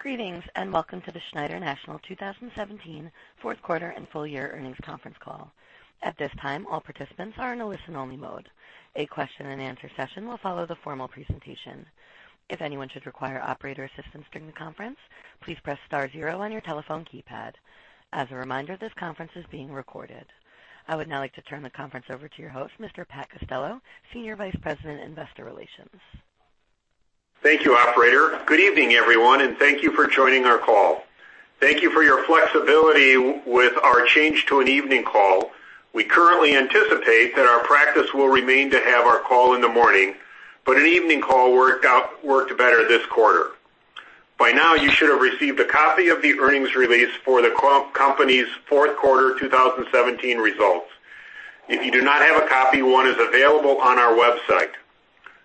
Greetings and welcome to the Schneider National 2017 Fourth Quarter and Full Year Earnings Conference Call. At this time, all participants are in a listen-only mode. A question-and-answer session will follow the formal presentation. If anyone should require operator assistance during the conference, please press star zero on your telephone keypad. As a reminder, this conference is being recorded. I would now like to turn the conference over to your host, Mr. Pat Costello, Senior Vice President, Investor Relations. Thank you, Operator. Good evening, everyone, and thank you for joining our call. Thank you for your flexibility with our change to an evening call. We currently anticipate that our practice will remain to have our call in the morning, but an evening call worked out better this quarter. By now, you should have received a copy of the earnings release for the company's fourth quarter 2017 results. If you do not have a copy, one is available on our website.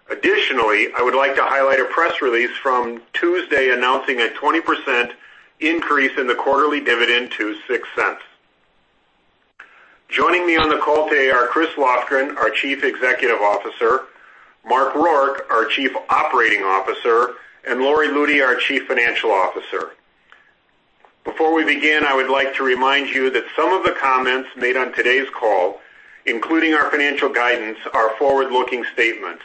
Additionally, I would like to highlight a press release from Tuesday announcing a 20% increase in the quarterly dividend to $0.06. Joining me on the call today are Chris Lofgren, our Chief Executive Officer; Mark Rourke, our Chief Operating Officer; and Lori Lutey, our Chief Financial Officer. Before we begin, I would like to remind you that some of the comments made on today's call, including our financial guidance, are forward-looking statements.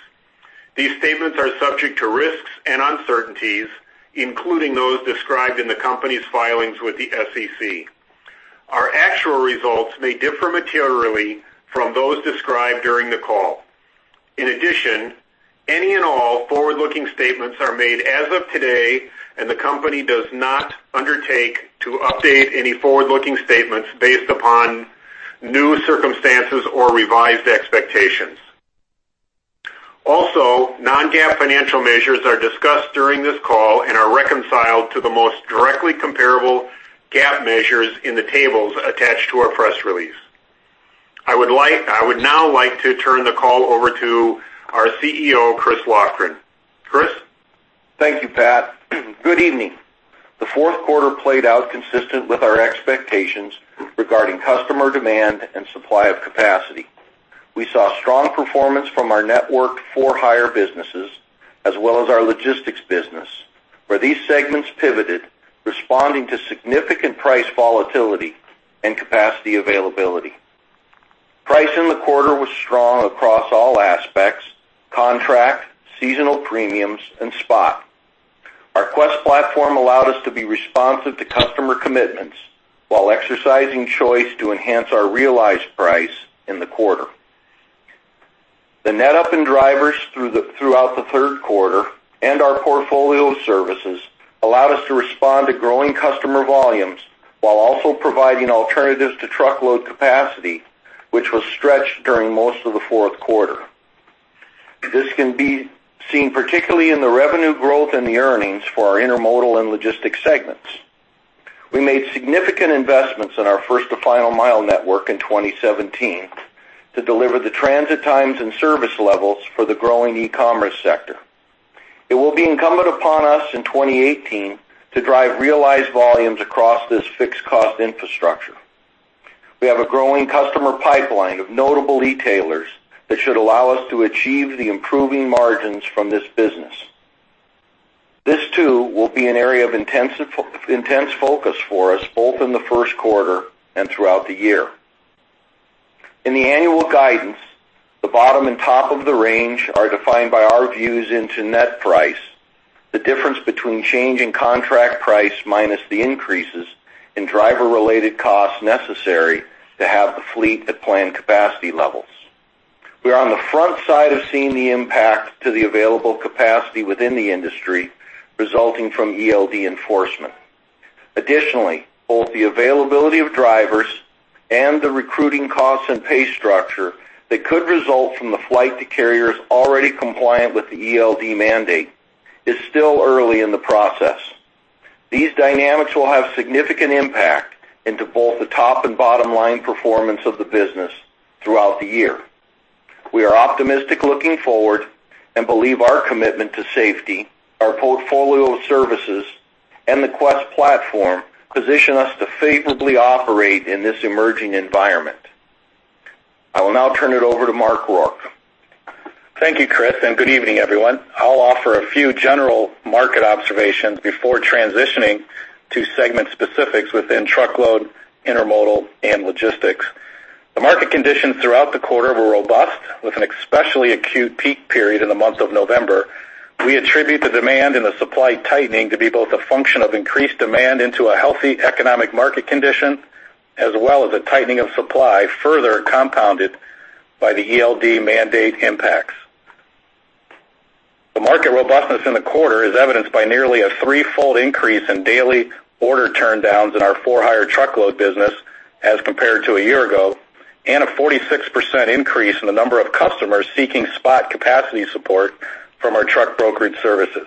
These statements are subject to risks and uncertainties, including those described in the company's filings with the SEC. Our actual results may differ materially from those described during the call. In addition, any and all forward-looking statements are made as of today, and the company does not undertake to update any forward-looking statements based upon new circumstances or revised expectations. Also, non-GAAP financial measures are discussed during this call and are reconciled to the most directly comparable GAAP measures in the tables attached to our press release. I would now like to turn the call over to our CEO, Chris Lofgren. Chris? Thank you, Pat. Good evening. The fourth quarter played out consistent with our expectations regarding customer demand and supply of capacity. We saw strong performance from our network For-Hire businesses as well as our logistics business, where these segments pivoted responding to significant price volatility and capacity availability. Price in the quarter was strong across all aspects: contract, seasonal premiums, and spot. Our Quest platform allowed us to be responsive to customer commitments while exercising choice to enhance our realized price in the quarter. The net add in drivers throughout the third quarter and our portfolio of services allowed us to respond to growing customer volumes while also providing alternatives to truckload capacity, which was stretched during most of the fourth quarter. This can be seen particularly in the revenue growth and the earnings for our intermodal and logistics segments. We made significant investments in our First to Final Mile network in 2017 to deliver the transit times and service levels for the growing e-commerce sector. It will be incumbent upon us in 2018 to drive realized volumes across this fixed-cost infrastructure. We have a growing customer pipeline of notable retailers that should allow us to achieve the improving margins from this business. This, too, will be an area of intense focus for us both in the first quarter and throughout the year. In the annual guidance, the bottom and top of the range are defined by our views into net price, the difference between change in contract price minus the increases in driver-related costs necessary to have the fleet at planned capacity levels. We are on the front side of seeing the impact to the available capacity within the industry resulting from ELD enforcement. Additionally, both the availability of drivers and the recruiting costs and pay structure that could result from the flight to carriers already compliant with the ELD mandate is still early in the process. These dynamics will have significant impact into both the top and bottom line performance of the business throughout the year. We are optimistic looking forward and believe our commitment to safety, our portfolio of services, and the Quest platform position us to favorably operate in this emerging environment. I will now turn it over to Mark Rourke. Thank you, Chris, and good evening, everyone. I'll offer a few general market observations before transitioning to segment specifics within truckload, intermodal, and logistics. The market conditions throughout the quarter were robust, with an especially acute peak period in the month of November. We attribute the demand and the supply tightening to be both a function of increased demand into a healthy economic market condition as well as a tightening of supply, further compounded by the ELD mandate impacts. The market robustness in the quarter is evidenced by nearly a threefold increase in daily order turndowns in our For-Hire truckload business as compared to a year ago, and a 46% increase in the number of customers seeking spot capacity support from our truck brokerage services.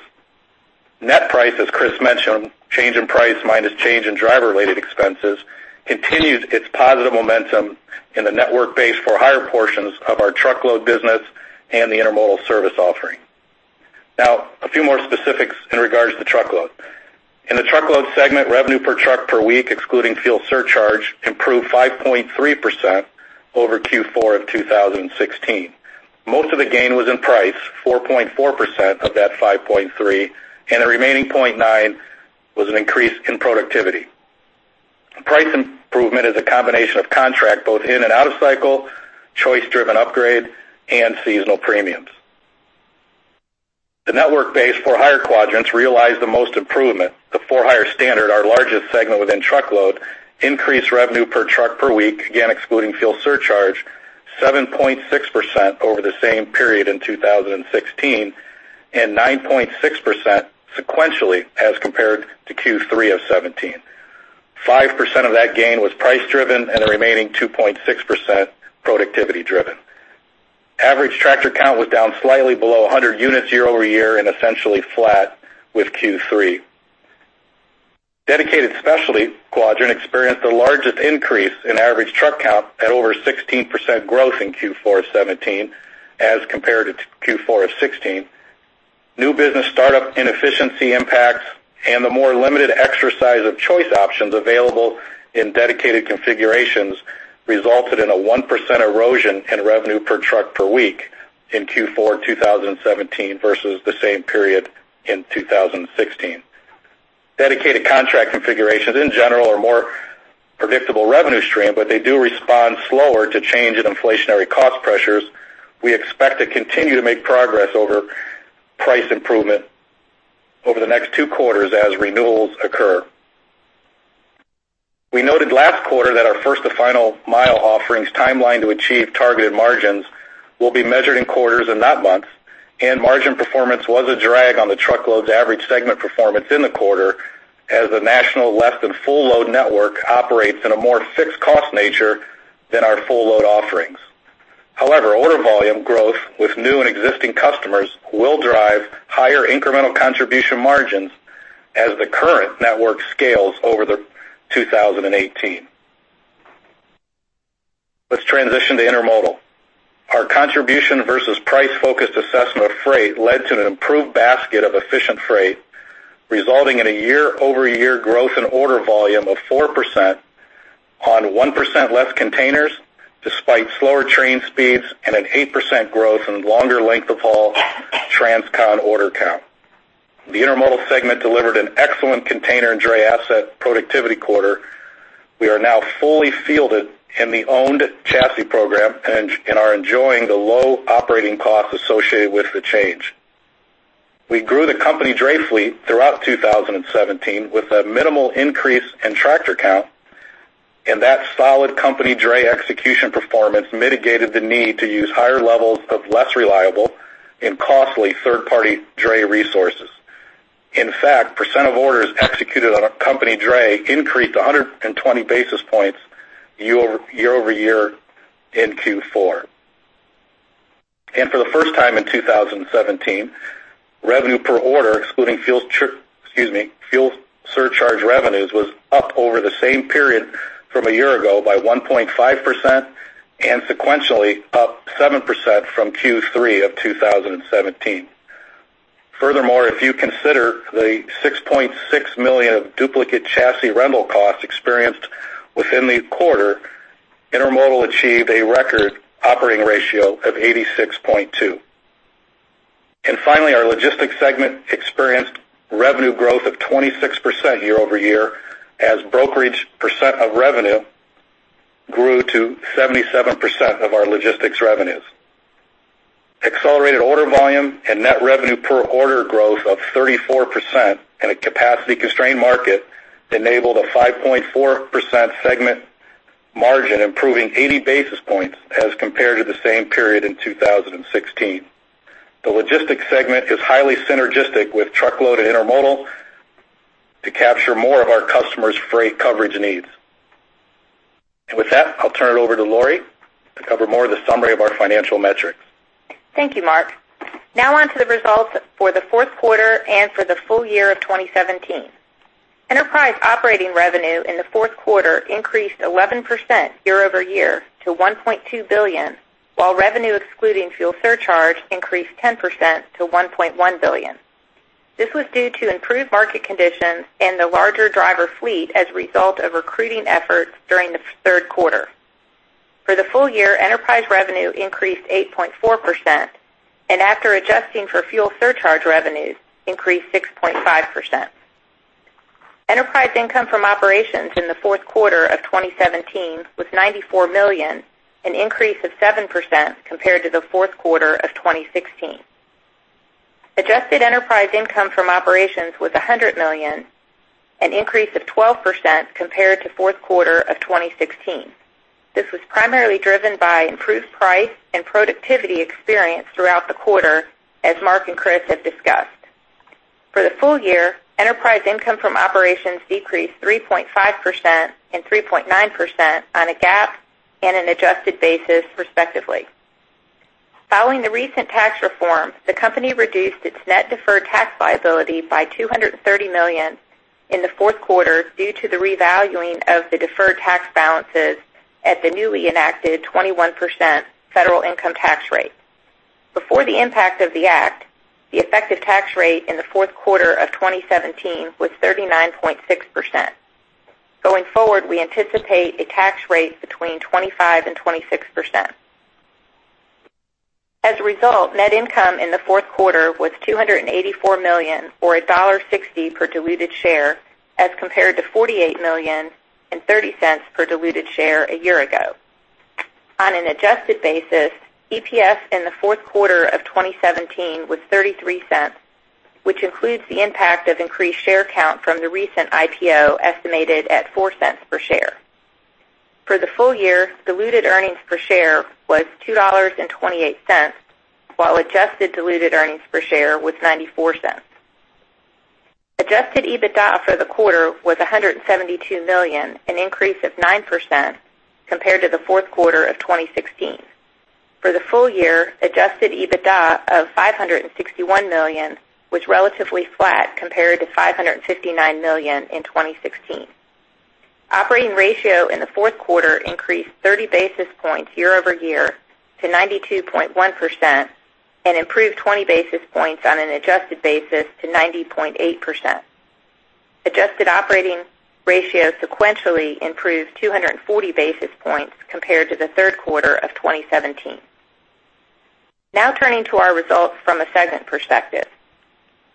Net price, as Chris mentioned, change in price minus change in driver-related expenses, continues its positive momentum in the network-based For-Hire portions of our truckload business and the intermodal service offering. Now, a few more specifics in regards to truckload. In the truckload segment, revenue per truck per week, excluding fuel surcharge, improved 5.3% over Q4 of 2016. Most of the gain was in price, 4.4% of that 5.3%, and the remaining 0.9% was an increase in productivity. Price improvement is a combination of contract both in and out of cycle, choice-driven upgrade, and seasonal premiums. The network-based For-Hire quadrants realized the most improvement. The For-Hire Standard, our largest segment within truckload, increased revenue per truck per week, again excluding fuel surcharge, 7.6% over the same period in 2016 and 9.6% sequentially as compared to Q3 of 2017. 5% of that gain was price-driven and the remaining 2.6% productivity-driven. Average tractor count was down slightly below 100 units year-over-year and essentially flat with Q3. Dedicated Specialty quadrant experienced the largest increase in average truck count at over 16% growth in Q4 of 2017 as compared to Q4 of 2016. New business startup inefficiency impacts and the more limited exercise of choice options available in dedicated configurations resulted in a 1% erosion in revenue per truck per week in Q4 2017 versus the same period in 2016. Dedicated contract configurations, in general, are more predictable revenue stream, but they do respond slower to change in inflationary cost pressures. We expect to continue to make progress over price improvement over the next two quarters as renewals occur. We noted last quarter that our First to Final Mile offerings timeline to achieve targeted margins will be measured in quarters and not months, and margin performance was a drag on the truckload's average segment performance in the quarter as the national less-than-truckload network operates in a more fixed-cost nature than our truckload offerings. However, order volume growth with new and existing customers will drive higher incremental contribution margins as the current network scales over 2018. Let's transition to intermodal. Our contribution versus price-focused assessment of freight led to an improved basket of efficient freight, resulting in a year-over-year growth in order volume of 4% on 1% less containers despite slower train speeds and an 8% growth in longer length-of-haul Transcon order count. The intermodal segment delivered an excellent container and dray asset productivity quarter. We are now fully fielded in the owned chassis program and are enjoying the low operating costs associated with the change. We grew the company dray fleet throughout 2017 with a minimal increase in tractor count, and that solid company dray execution performance mitigated the need to use higher levels of less reliable and costly third-party dray resources. In fact, percent of orders executed on a company dray increased 120 basis points year-over-year in Q4. For the first time in 2017, revenue per order excluding fuel surcharge revenues was up over the same period from a year ago by 1.5% and sequentially up 7% from Q3 of 2017. Furthermore, if you consider the $6.6 million of duplicate chassis rental costs experienced within the quarter, intermodal achieved a record operating ratio of 86.2. Finally, our logistics segment experienced revenue growth of 26% year-over-year as brokerage percent of revenue grew to 77% of our logistics revenues. Accelerated order volume and net revenue per order growth of 34% in a capacity-constrained market enabled a 5.4% segment margin, improving 80 basis points as compared to the same period in 2016. The logistics segment is highly synergistic with truckload and intermodal to capture more of our customers' freight coverage needs. And with that, I'll turn it over to Lori to cover more of the summary of our financial metrics. Thank you, Mark. Now on to the results for the fourth quarter and for the full year of 2017. Enterprise operating revenue in the fourth quarter increased 11% year over year to $1.2 billion, while revenue excluding fuel surcharge increased 10% to $1.1 billion. This was due to improved market conditions and the larger driver fleet as a result of recruiting efforts during the third quarter. For the full year, enterprise revenue increased 8.4%, and after adjusting for fuel surcharge revenues, increased 6.5%. Enterprise income from operations in the fourth quarter of 2017 was $94 million, an increase of 7% compared to the fourth quarter of 2016. Adjusted enterprise income from operations was $100 million, an increase of 12% compared to fourth quarter of 2016. This was primarily driven by improved price and productivity experience throughout the quarter, as Mark and Chris have discussed. For the full year, enterprise income from operations decreased 3.5% and 3.9% on a GAAP and an adjusted basis, respectively. Following the recent tax reform, the company reduced its net deferred tax liability by $230 million in the fourth quarter due to the revaluing of the deferred tax balances at the newly enacted 21% federal income tax rate. Before the impact of the act, the effective tax rate in the fourth quarter of 2017 was 39.6%. Going forward, we anticipate a tax rate between 25%-26%. As a result, net income in the fourth quarter was $284 million or $1.60 per diluted share as compared to $48 million and $0.30 per diluted share a year ago. On an adjusted basis, EPS in the fourth quarter of 2017 was $0.33, which includes the impact of increased share count from the recent IPO estimated at $0.04 per share. For the full year, diluted earnings per share was $2.28, while adjusted diluted earnings per share was $0.94. Adjusted EBITDA for the quarter was $172 million, an increase of 9% compared to the fourth quarter of 2016. For the full year, adjusted EBITDA of $561 million was relatively flat compared to $559 million in 2016. Operating ratio in the fourth quarter increased 30 basis points year-over-year to 92.1% and improved 20 basis points on an adjusted basis to 90.8%. Adjusted operating ratio sequentially improved 240 basis points compared to the third quarter of 2017. Now turning to our results from a segment perspective.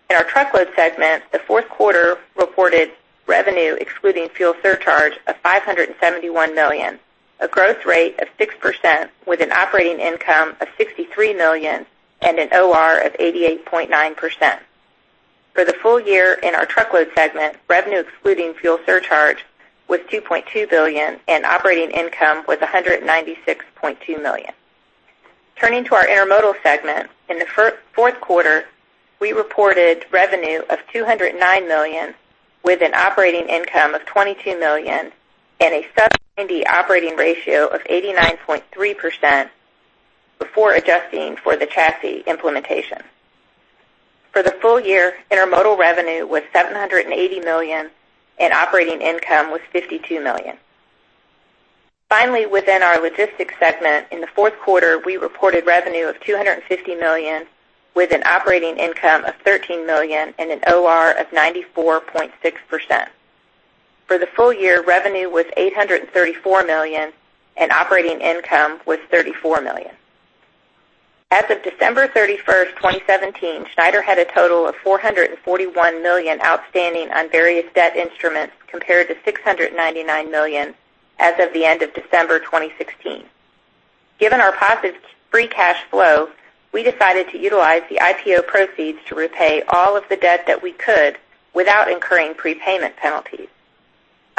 In our truckload segment, the fourth quarter reported revenue excluding fuel surcharge of $571 million, a growth rate of 6% with an operating income of $63 million and an OR of 88.9%. For the full year in our truckload segment, revenue excluding fuel surcharge was $2.2 billion and operating income was $196.2 million. Turning to our intermodal segment, in the fourth quarter, we reported revenue of $209 million with an operating income of $22 million and a sub-90 operating ratio of 89.3% before adjusting for the chassis implementation. For the full year, intermodal revenue was $780 million and operating income was $52 million. Finally, within our logistics segment, in the fourth quarter, we reported revenue of $250 million with an operating income of $13 million and an OR of 94.6%. For the full year, revenue was $834 million and operating income was $34 million. As of December 31st, 2017, Schneider had a total of $441 million outstanding on various debt instruments compared to $699 million as of the end of December 2016. Given our positive free cash flow, we decided to utilize the IPO proceeds to repay all of the debt that we could without incurring prepayment penalties.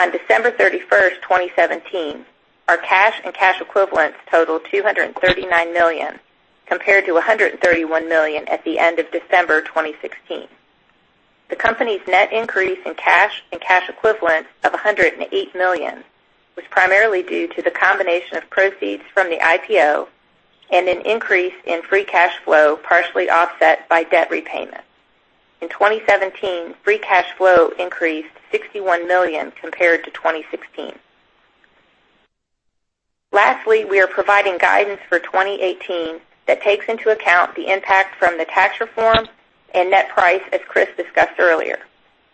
On December 31st, 2017, our cash and cash equivalents totaled $239 million compared to $131 million at the end of December 2016. The company's net increase in cash and cash equivalents of $108 million was primarily due to the combination of proceeds from the IPO and an increase in free cash flow partially offset by debt repayment. In 2017, free cash flow increased $61 million compared to 2016. Lastly, we are providing guidance for 2018 that takes into account the impact from the tax reform and net price, as Chris discussed earlier.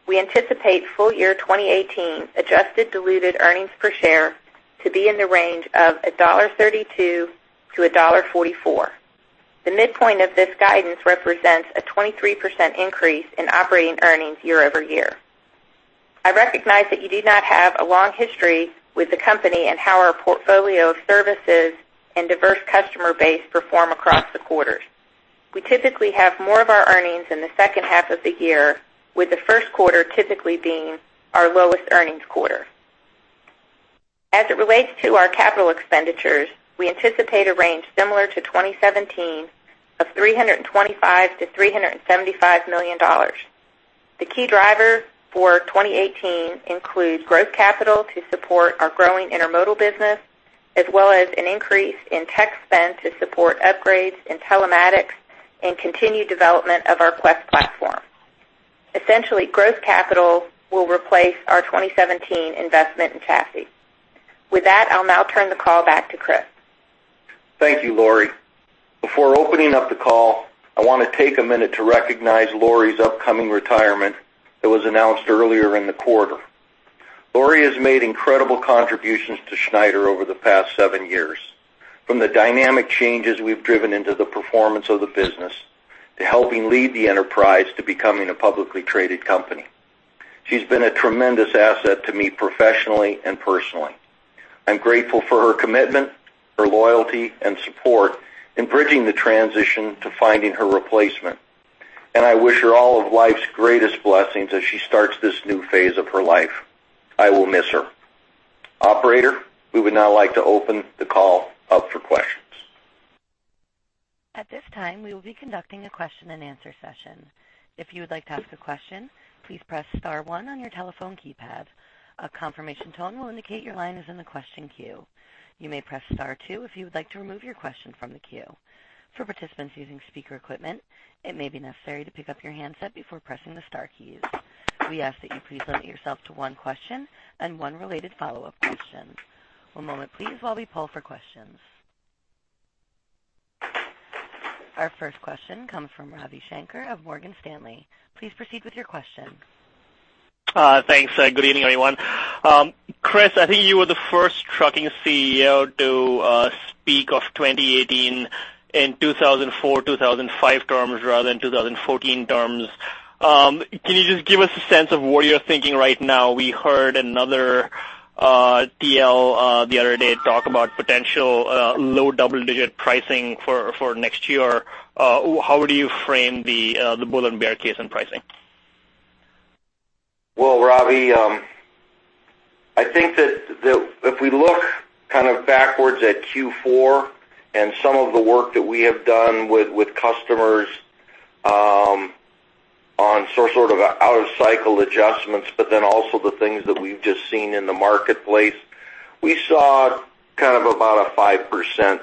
We anticipate full year 2018 adjusted diluted earnings per share to be in the range of $1.32-$1.44. The midpoint of this guidance represents a 23% increase in operating earnings year-over-year. I recognize that you do not have a long history with the company and how our portfolio of services and diverse customer base perform across the quarters. We typically have more of our earnings in the second half of the year, with the first quarter typically being our lowest earnings quarter. As it relates to our capital expenditures, we anticipate a range similar to 2017 of $325 million-$375 million. The key driver for 2018 includes growth capital to support our growing intermodal business as well as an increase in tech spend to support upgrades in telematics and continued development of our Quest platform. Essentially, growth capital will replace our 2017 investment in chassis. With that, I'll now turn the call back to Chris. Thank you, Lori. Before opening up the call, I want to take a minute to recognize Lori's upcoming retirement that was announced earlier in the quarter. Lori has made incredible contributions to Schneider over the past seven years, from the dynamic changes we've driven into the performance of the business to helping lead the enterprise to becoming a publicly traded company. She's been a tremendous asset to me professionally and personally. I'm grateful for her commitment, her loyalty, and support in bridging the transition to finding her replacement, and I wish her all of life's greatest blessings as she starts this new phase of her life. I will miss her. Operator, we would now like to open the call up for questions. At this time, we will be conducting a question-and-answer session. If you would like to ask a question, please press star one on your telephone keypad. A confirmation tone will indicate your line is in the question queue. You may press star two if you would like to remove your question from the queue. For participants using speaker equipment, it may be necessary to pick up your handset before pressing the star keys. We ask that you please limit yourself to one question and one related follow-up question. One moment, please, while we poll for questions. Our first question comes from Ravi Shanker of Morgan Stanley. Please proceed with your question. Thanks. Good evening, everyone. Chris, I think you were the first trucking CEO to speak of 2018 in 2004, 2005 terms rather than 2014 terms. Can you just give us a sense of what you're thinking right now? We heard another TL the other day talk about potential low double-digit pricing for next year. How do you frame the bull and bear case in pricing? Well, Ravi, I think that if we look kind of backwards at Q4 and some of the work that we have done with customers on sort of out-of-cycle adjustments, but then also the things that we've just seen in the marketplace, we saw kind of about a 5%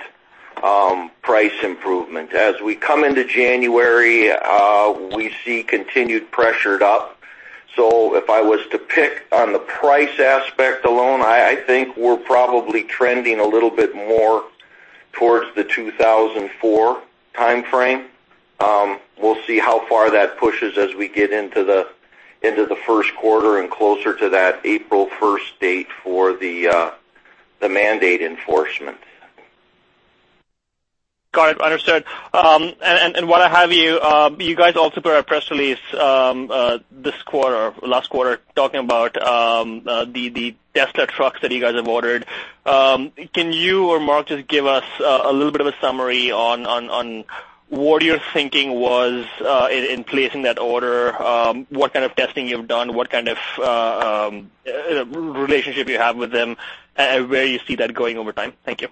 price improvement. As we come into January, we see continued pressure up. So if I was to pick on the price aspect alone, I think we're probably trending a little bit more towards the 2004 timeframe. We'll see how far that pushes as we get into the first quarter and closer to that April 1st date for the mandate enforcement. Got it. Understood. And what I have you guys also put a press release this quarter, last quarter, talking about the Tesla trucks that you guys have ordered. Can you or Mark just give us a little bit of a summary on what you're thinking was in placing that order, what kind of testing you've done, what kind of relationship you have with them, and where you see that going over time? Thank you.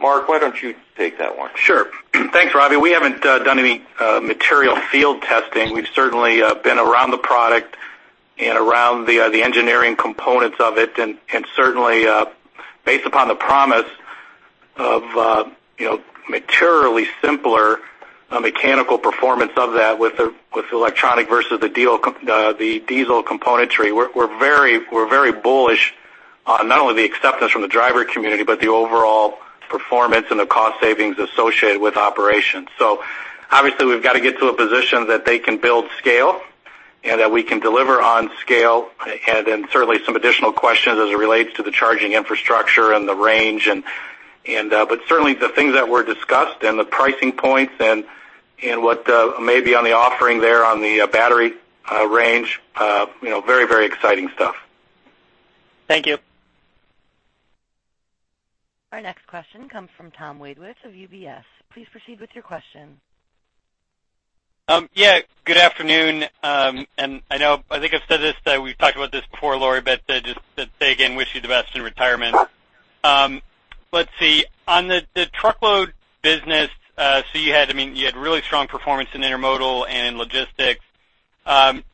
Mark, why don't you take that one? Sure. Thanks, Ravi. We haven't done any material field testing. We've certainly been around the product and around the engineering components of it. And certainly, based upon the promise of materially simpler mechanical performance of that with electronic versus the diesel componentry, we're very bullish on not only the acceptance from the driver community, but the overall performance and the cost savings associated with operations. So obviously, we've got to get to a position that they can build scale and that we can deliver on scale. And then certainly, some additional questions as it relates to the charging infrastructure and the range. But certainly, the things that were discussed and the pricing points and what may be on the offering there on the battery range, very, very exciting stuff. Thank you. Our next question comes from Tom Wadewitz of UBS. Please proceed with your question. Yeah. Good afternoon. I think I've said this. We've talked about this before, Lori, but just to say again, wish you the best in retirement. Let's see. On the truckload business, so you had—I mean, you had—really strong performance in intermodal and in logistics.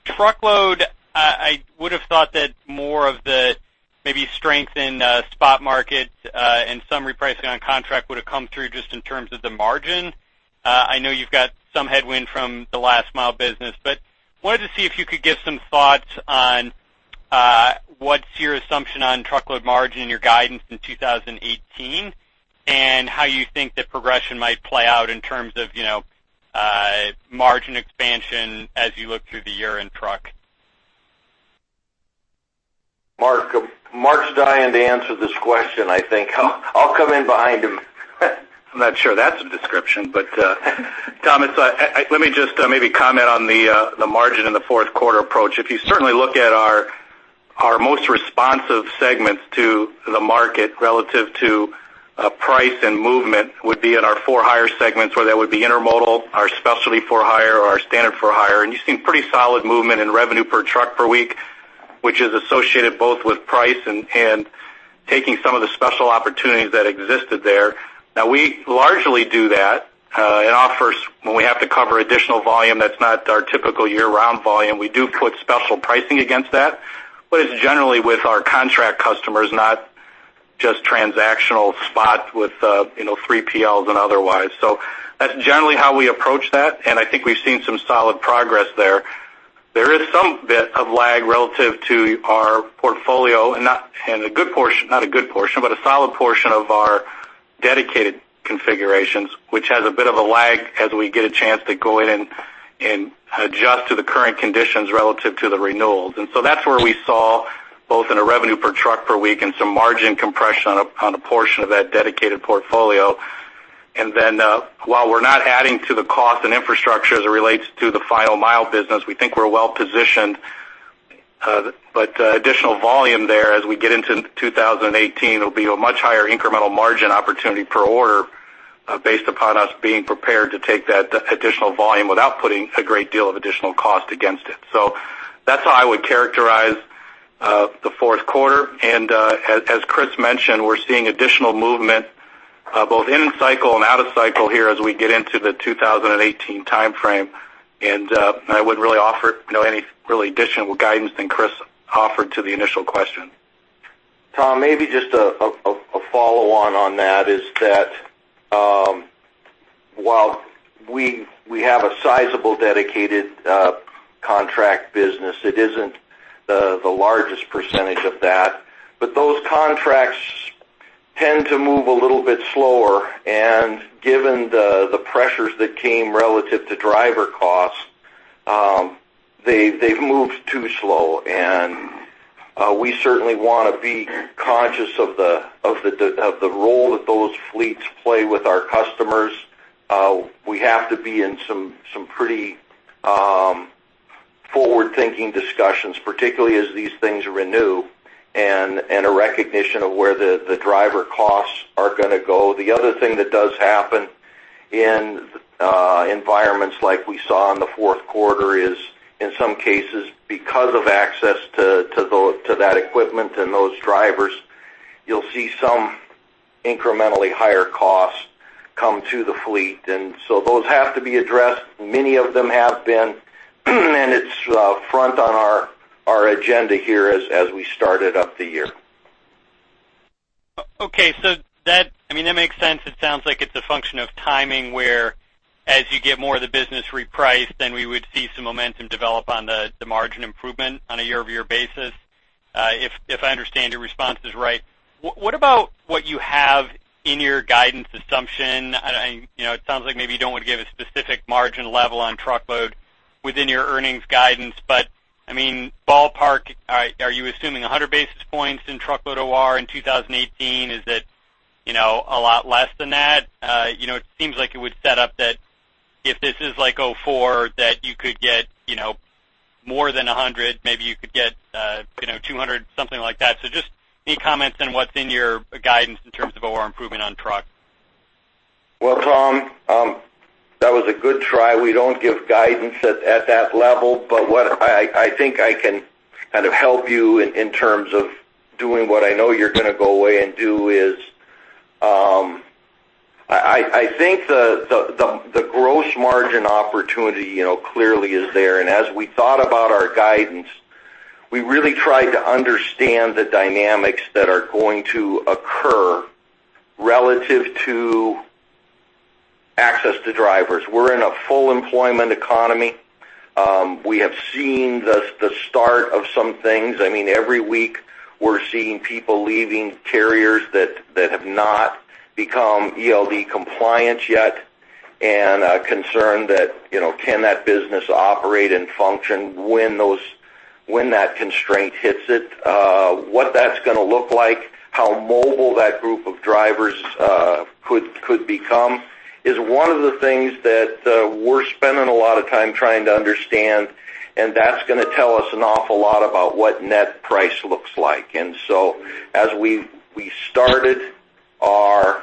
Truckload, I would have thought that more of the maybe strength in spot market and some repricing on contract would have come through just in terms of the margin. I know you've got some headwind from the last-mile business, but wanted to see if you could give some thoughts on what's your assumption on truckload margin in your guidance in 2018 and how you think that progression might play out in terms of margin expansion as you look through the year in truck. Mark's dying to answer this question, I think. I'll come in behind him. I'm not sure that's a description, but Thomas, let me just maybe comment on the margin in the fourth quarter approach. If you certainly look at our most responsive segments to the market relative to price and movement, it would be in our For-Hire segments where that would be Intermodal, our Specialty For-Hire, or our Standard For-Hire. And you've seen pretty solid movement in revenue per truck per week, which is associated both with price and taking some of the special opportunities that existed there. Now, we largely do that. When we have to cover additional volume that's not our typical year-round volume, we do put special pricing against that. But it's generally with our contract customers, not just transactional spot with 3PLs and otherwise. So that's generally how we approach that. And I think we've seen some solid progress there. There is some bit of lag relative to our portfolio, and a good portion not a good portion, but a solid portion of our dedicated configurations, which has a bit of a lag as we get a chance to go in and adjust to the current conditions relative to the renewals. And so that's where we saw both in a revenue per truck per week and some margin compression on a portion of that dedicated portfolio. And then while we're not adding to the cost and infrastructure as it relates to the final-mile business, we think we're well-positioned. But additional volume there as we get into 2018, it'll be a much higher incremental margin opportunity per order based upon us being prepared to take that additional volume without putting a great deal of additional cost against it. So that's how I would characterize the fourth quarter. As Chris mentioned, we're seeing additional movement both in cycle and out of cycle here as we get into the 2018 timeframe. I wouldn't really offer any really additional guidance than Chris offered to the initial question. Tom, maybe just a follow-on on that is that while we have a sizable dedicated contract business, it isn't the largest percentage of that. But those contracts tend to move a little bit slower. And given the pressures that came relative to driver costs, they've moved too slow. And we certainly want to be conscious of the role that those fleets play with our customers. We have to be in some pretty forward-thinking discussions, particularly as these things renew and a recognition of where the driver costs are going to go. The other thing that does happen in environments like we saw in the fourth quarter is, in some cases, because of access to that equipment and those drivers, you'll see some incrementally higher costs come to the fleet. And so those have to be addressed. Many of them have been. It's front on our agenda here as we started up the year. Okay. So I mean, that makes sense. It sounds like it's a function of timing where, as you get more of the business repriced, then we would see some momentum develop on the margin improvement on a year-over-year basis, if I understand your response is right. What about what you have in your guidance assumption? It sounds like maybe you don't want to give a specific margin level on truckload within your earnings guidance. But I mean, ballpark, are you assuming 100 basis points in truckload OR in 2018? Is it a lot less than that? It seems like it would set up that if this is like 2004, that you could get more than 100. Maybe you could get 200, something like that. So just any comments on what's in your guidance in terms of OR improvement on trucks? Well, Tom, that was a good try. We don't give guidance at that level. But what I think I can kind of help you in terms of doing what I know you're going to go away and do is I think the gross margin opportunity clearly is there. And as we thought about our guidance, we really tried to understand the dynamics that are going to occur relative to access to drivers. We're in a full-employment economy. We have seen the start of some things. I mean, every week, we're seeing people leaving carriers that have not become ELD compliant yet and concerned that, "Can that business operate and function when that constraint hits it?" What that's going to look like, how mobile that group of drivers could become, is one of the things that we're spending a lot of time trying to understand. That's going to tell us an awful lot about what net price looks like. So as we started our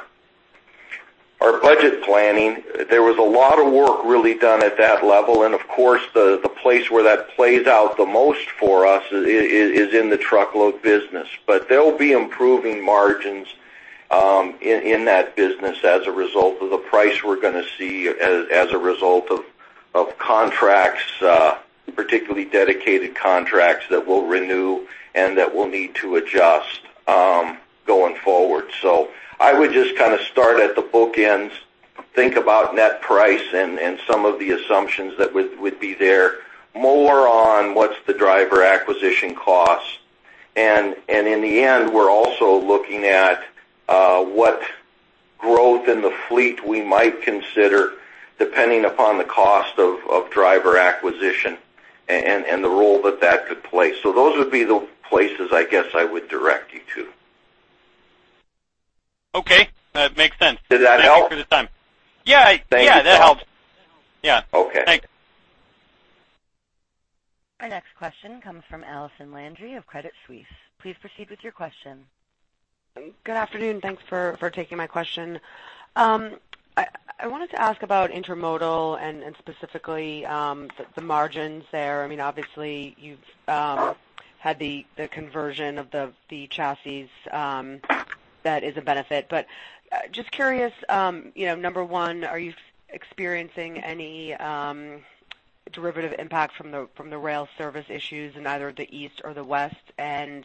budget planning, there was a lot of work really done at that level. Of course, the place where that plays out the most for us is in the truckload business. There'll be improving margins in that business as a result of the price we're going to see as a result of contracts, particularly dedicated contracts that will renew and that we'll need to adjust going forward. I would just kind of start at the bookends, think about net price and some of the assumptions that would be there, more on what's the driver acquisition cost. In the end, we're also looking at what growth in the fleet we might consider depending upon the cost of driver acquisition and the role that that could play. Those would be the places, I guess, I would direct you to. Okay. That makes sense. Did that help? Thank you for the time. Yeah. Yeah. That helps. Yeah. Thanks. Our next question comes from Allison Landry of Credit Suisse. Please proceed with your question. Good afternoon. Thanks for taking my question. I wanted to ask about intermodal and specifically the margins there. I mean, obviously, you've had the conversion of the chassis. That is a benefit. But just curious, number one, are you experiencing any derivative impact from the rail service issues in either the East or the West? And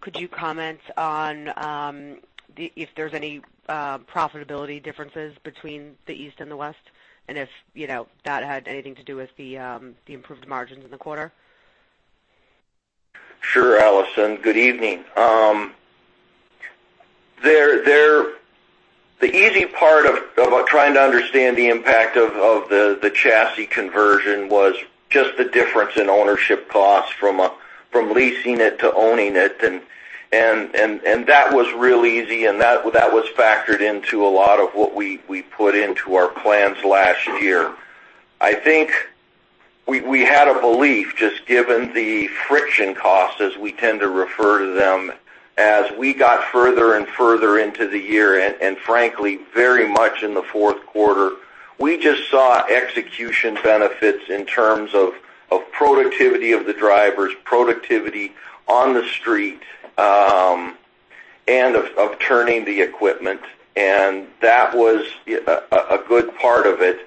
could you comment on if there's any profitability differences between the East and the West and if that had anything to do with the improved margins in the quarter? Sure, Allison. Good evening. The easy part of trying to understand the impact of the chassis conversion was just the difference in ownership costs from leasing it to owning it. That was really easy. That was factored into a lot of what we put into our plans last year. I think we had a belief, just given the friction costs, as we tend to refer to them, as we got further and further into the year and, frankly, very much in the fourth quarter, we just saw execution benefits in terms of productivity of the drivers, productivity on the street, and of turning the equipment. That was a good part of it.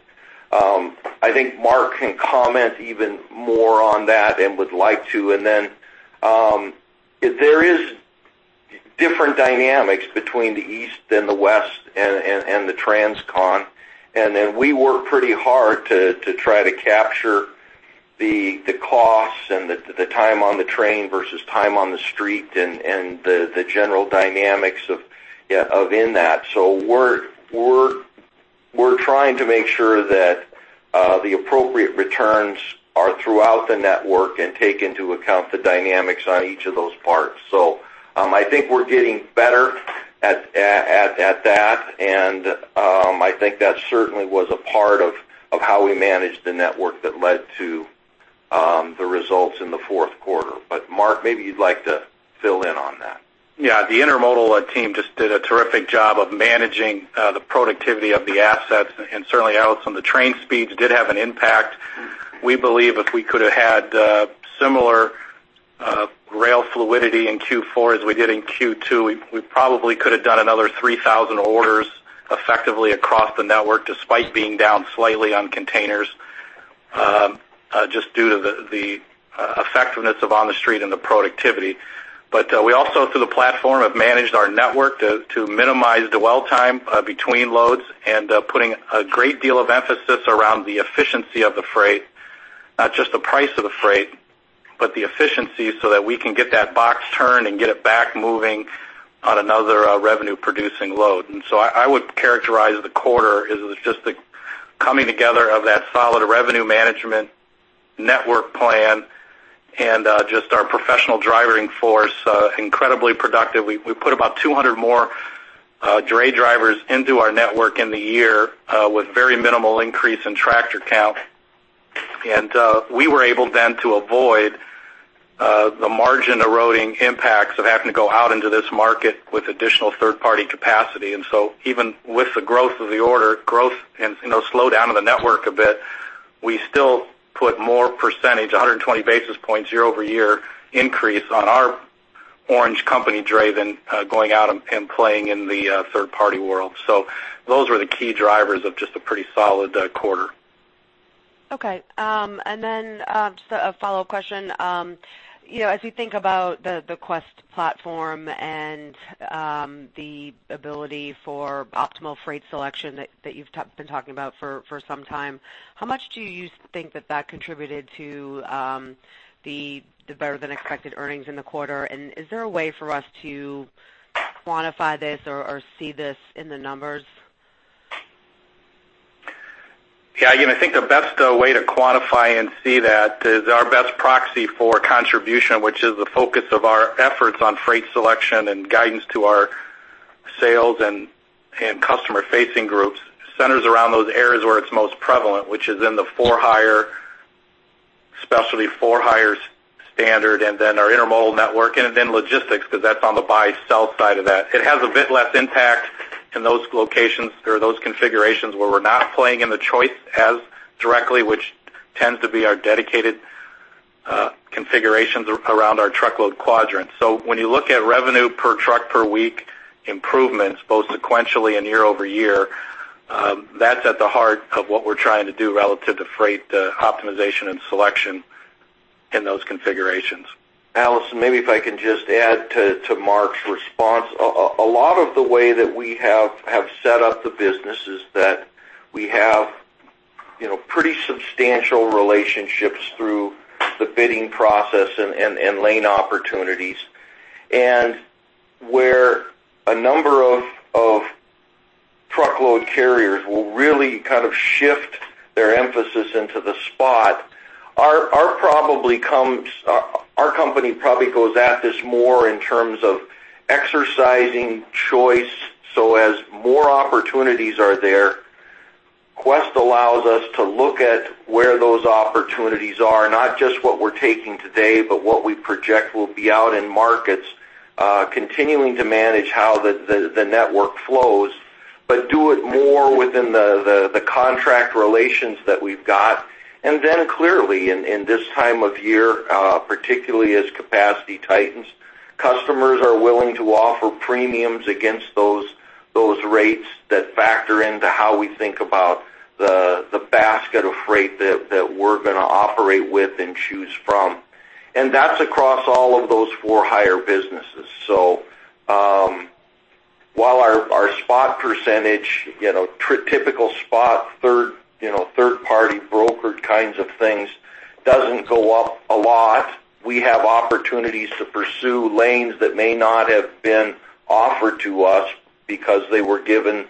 I think Mark can comment even more on that and would like to. Then there are different dynamics between the East and the West and the Transcon. And then we work pretty hard to try to capture the costs and the time on the train versus time on the street and the general dynamics within that. So we're trying to make sure that the appropriate returns are throughout the network and take into account the dynamics on each of those parts. So I think we're getting better at that. And I think that certainly was a part of how we managed the network that led to the results in the fourth quarter. But Mark, maybe you'd like to fill in on that. Yeah. The intermodal team just did a terrific job of managing the productivity of the assets. And certainly, Allison, the train speeds did have an impact. We believe if we could have had similar rail fluidity in Q4 as we did in Q2, we probably could have done another 3,000 orders effectively across the network despite being down slightly on containers just due to the effectiveness of on-the-street and the productivity. But we also, through the platform, have managed our network to minimize dwell time between loads and putting a great deal of emphasis around the efficiency of the freight, not just the price of the freight, but the efficiency so that we can get that box turned and get it back moving on another revenue-producing load. And so I would characterize the quarter as just the coming together of that solid revenue management network plan and just our professional driving force, incredibly productive. We put about 200 more dray drivers into our network in the year with very minimal increase in tractor count. And we were able then to avoid the margin-eroding impacts of having to go out into this market with additional third-party capacity. And so even with the growth of the order, growth and slowdown of the network a bit, we still put more percentage, 120 basis points year-over-year increase on our in-house company dray than going out and playing in the third-party world. So those were the key drivers of just a pretty solid quarter. Okay. And then just a follow-up question. As you think about the Quest platform and the ability for optimal freight selection that you've been talking about for some time, how much do you think that that contributed to the better-than-expected earnings in the quarter? And is there a way for us to quantify this or see this in the numbers? Yeah. I think the best way to quantify and see that is our best proxy for contribution, which is the focus of our efforts on freight selection and guidance to our sales and customer-facing groups, centers around those areas where it's most prevalent, which is in the specialty For-Hire Standard and then our intermodal network and then logistics because that's on the buy-sell side of that. It has a bit less impact in those locations or those configurations where we're not playing in the choice as directly, which tends to be our dedicated configurations around our truckload quadrant. So when you look at revenue per truck per week improvements, both sequentially and year-over-year, that's at the heart of what we're trying to do relative to freight optimization and selection in those configurations. Allison, maybe if I can just add to Mark's response. A lot of the way that we have set up the business is that we have pretty substantial relationships through the bidding process and lane opportunities. Where a number of truckload carriers will really kind of shift their emphasis into the spot, our company probably goes at this more in terms of exercising choice. As more opportunities are there, Quest allows us to look at where those opportunities are, not just what we're taking today but what we project will be out in markets, continuing to manage how the network flows, but do it more within the contract relations that we've got. And then clearly, in this time of year, particularly as capacity tightens, customers are willing to offer premiums against those rates that factor into how we think about the basket of freight that we're going to operate with and choose from. And that's across all of those For-Hire businesses. So while our spot percentage, typical spot third-party brokered kinds of things, doesn't go up a lot, we have opportunities to pursue lanes that may not have been offered to us because they were given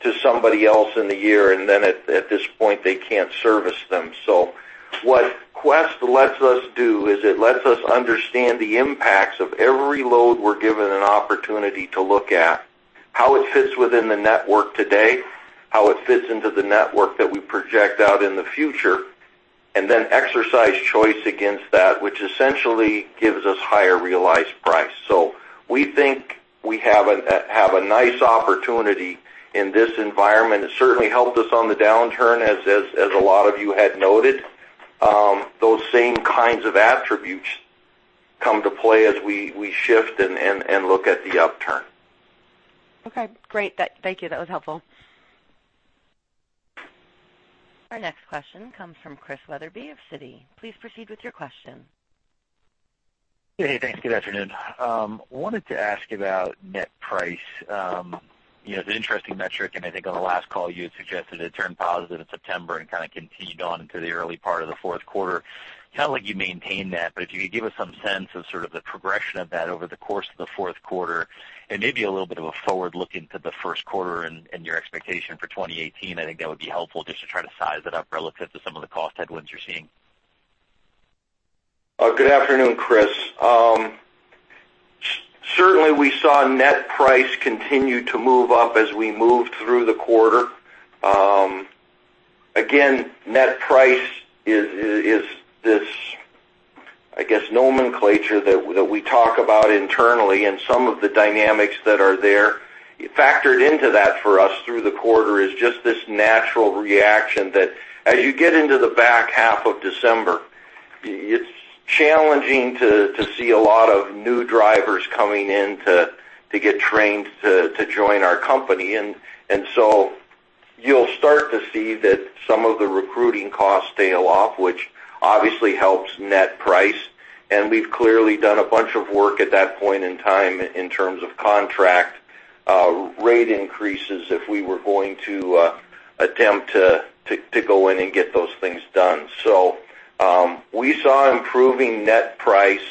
to somebody else in the year. And then at this point, they can't service them. So what Quest lets us do is it lets us understand the impacts of every load we're given an opportunity to look at, how it fits within the network today, how it fits into the network that we project out in the future, and then exercise choice against that, which essentially gives us higher realized price. So we think we have a nice opportunity in this environment. It certainly helped us on the downturn, as a lot of you had noted. Those same kinds of attributes come to play as we shift and look at the upturn. Okay. Great. Thank you. That was helpful. Our next question comes from Chris Wetherbee of Citi. Please proceed with your question. Hey. Thanks. Good afternoon. Wanted to ask about net price. It's an interesting metric. And I think on the last call, you had suggested it turned positive in September and kind of continued on into the early part of the fourth quarter. Kind of like you maintained that. But if you could give us some sense of sort of the progression of that over the course of the fourth quarter and maybe a little bit of a forward look into the first quarter and your expectation for 2018, I think that would be helpful just to try to size it up relative to some of the cost headwinds you're seeing. Good afternoon, Chris. Certainly, we saw net price continue to move up as we moved through the quarter. Again, net price is this, I guess, nomenclature that we talk about internally. And some of the dynamics that are there factored into that for us through the quarter is just this natural reaction that as you get into the back half of December, it's challenging to see a lot of new drivers coming in to get trained to join our company. And so you'll start to see that some of the recruiting costs tail off, which obviously helps net price. And we've clearly done a bunch of work at that point in time in terms of contract rate increases if we were going to attempt to go in and get those things done. So we saw improving net price.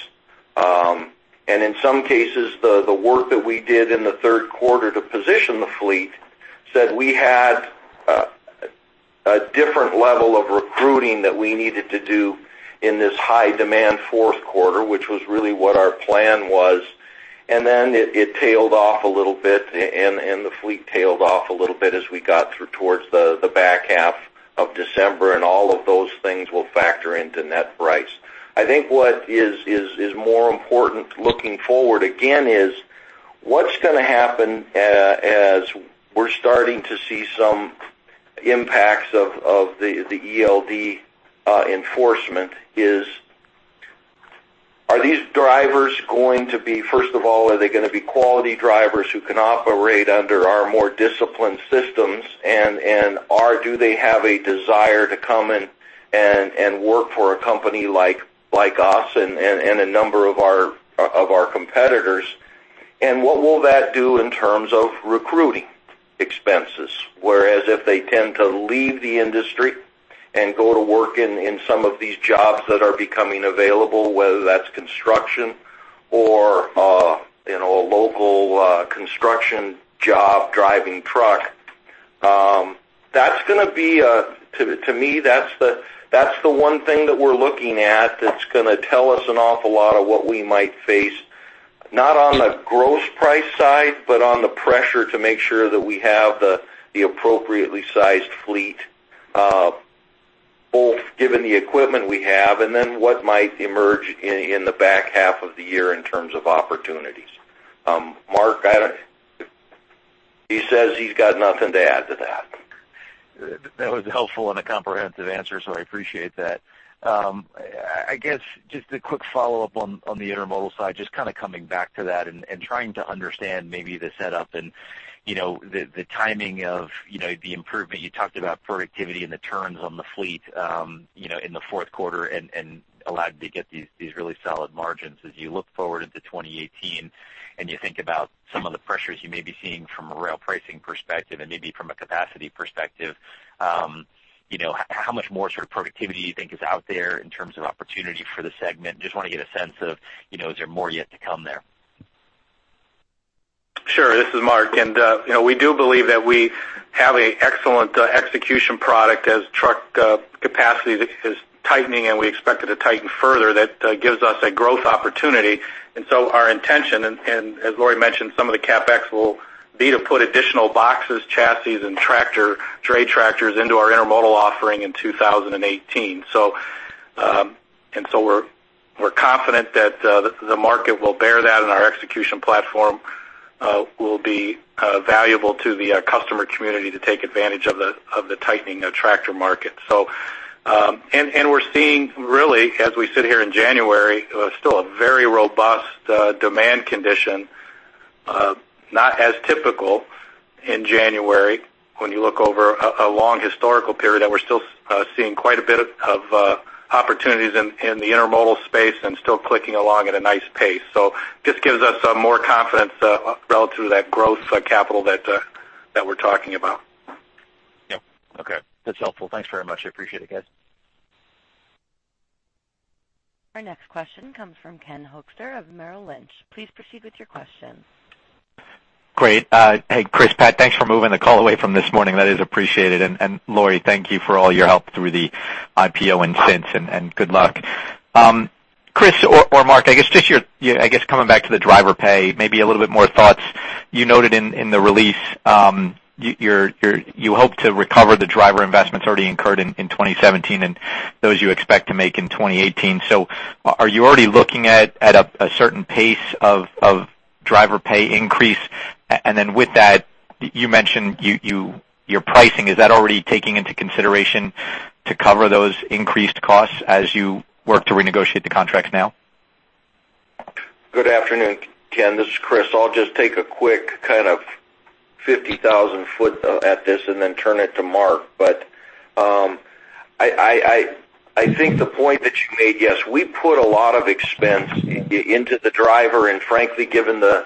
In some cases, the work that we did in the third quarter to position the fleet said we had a different level of recruiting that we needed to do in this high-demand fourth quarter, which was really what our plan was. Then it tailed off a little bit. The fleet tailed off a little bit as we got towards the back half of December. All of those things will factor into net price. I think what is more important looking forward, again, is what's going to happen as we're starting to see some impacts of the ELD enforcement is are these drivers going to be first of all, are they going to be quality drivers who can operate under our more disciplined systems? Do they have a desire to come and work for a company like us and a number of our competitors? What will that do in terms of recruiting expenses? Whereas if they tend to leave the industry and go to work in some of these jobs that are becoming available, whether that's construction or a local construction job driving truck, that's going to be, to me, that's the one thing that we're looking at that's going to tell us an awful lot of what we might face, not on the gross price side but on the pressure to make sure that we have the appropriately sized fleet, both given the equipment we have and then what might emerge in the back half of the year in terms of opportunities. Mark, he says he's got nothing to add to that. That was helpful and a comprehensive answer. So I appreciate that. I guess just a quick follow-up on the intermodal side, just kind of coming back to that and trying to understand maybe the setup and the timing of the improvement. You talked about productivity and the turns on the fleet in the fourth quarter and allowed you to get these really solid margins. As you look forward into 2018 and you think about some of the pressures you may be seeing from a rail pricing perspective and maybe from a capacity perspective, how much more sort of productivity do you think is out there in terms of opportunity for the segment? Just want to get a sense of is there more yet to come there? Sure. This is Mark. We do believe that we have an excellent execution product as truck capacity is tightening and we expect it to tighten further. That gives us a growth opportunity. Our intention, and as Lori mentioned, some of the CapEx will be to put additional boxes, chassis, and dray tractors into our intermodal offering in 2018. We're confident that the market will bear that. Our execution platform will be valuable to the customer community to take advantage of the tightening tractor market. We're seeing, really, as we sit here in January, still a very robust demand condition, not as typical in January when you look over a long historical period. We're still seeing quite a bit of opportunities in the intermodal space and still clicking along at a nice pace. This gives us more confidence relative to that growth capital that we're talking about. Yep. Okay. That's helpful. Thanks very much. I appreciate it, guys. Our next question comes from Ken Hoexter of Merrill Lynch. Please proceed with your question. Great. Hey, Chris, Pat, thanks for moving the call away from this morning. That is appreciated. And Lori Lutey, thank you for all your help through the IPO and since. And good luck. Chris or Mark, I guess just your—I guess coming back to the driver pay, maybe a little bit more thoughts. You noted in the release you hope to recover the driver investments already incurred in 2017 and those you expect to make in 2018. So are you already looking at a certain pace of driver pay increase? And then with that, you mentioned your pricing. Is that already taking into consideration to cover those increased costs as you work to renegotiate the contracts now? Good afternoon, Ken. This is Chris. I'll just take a quick kind of 50,000-foot at this and then turn it to Mark. But I think the point that you made, yes, we put a lot of expense into the driver. And frankly, given the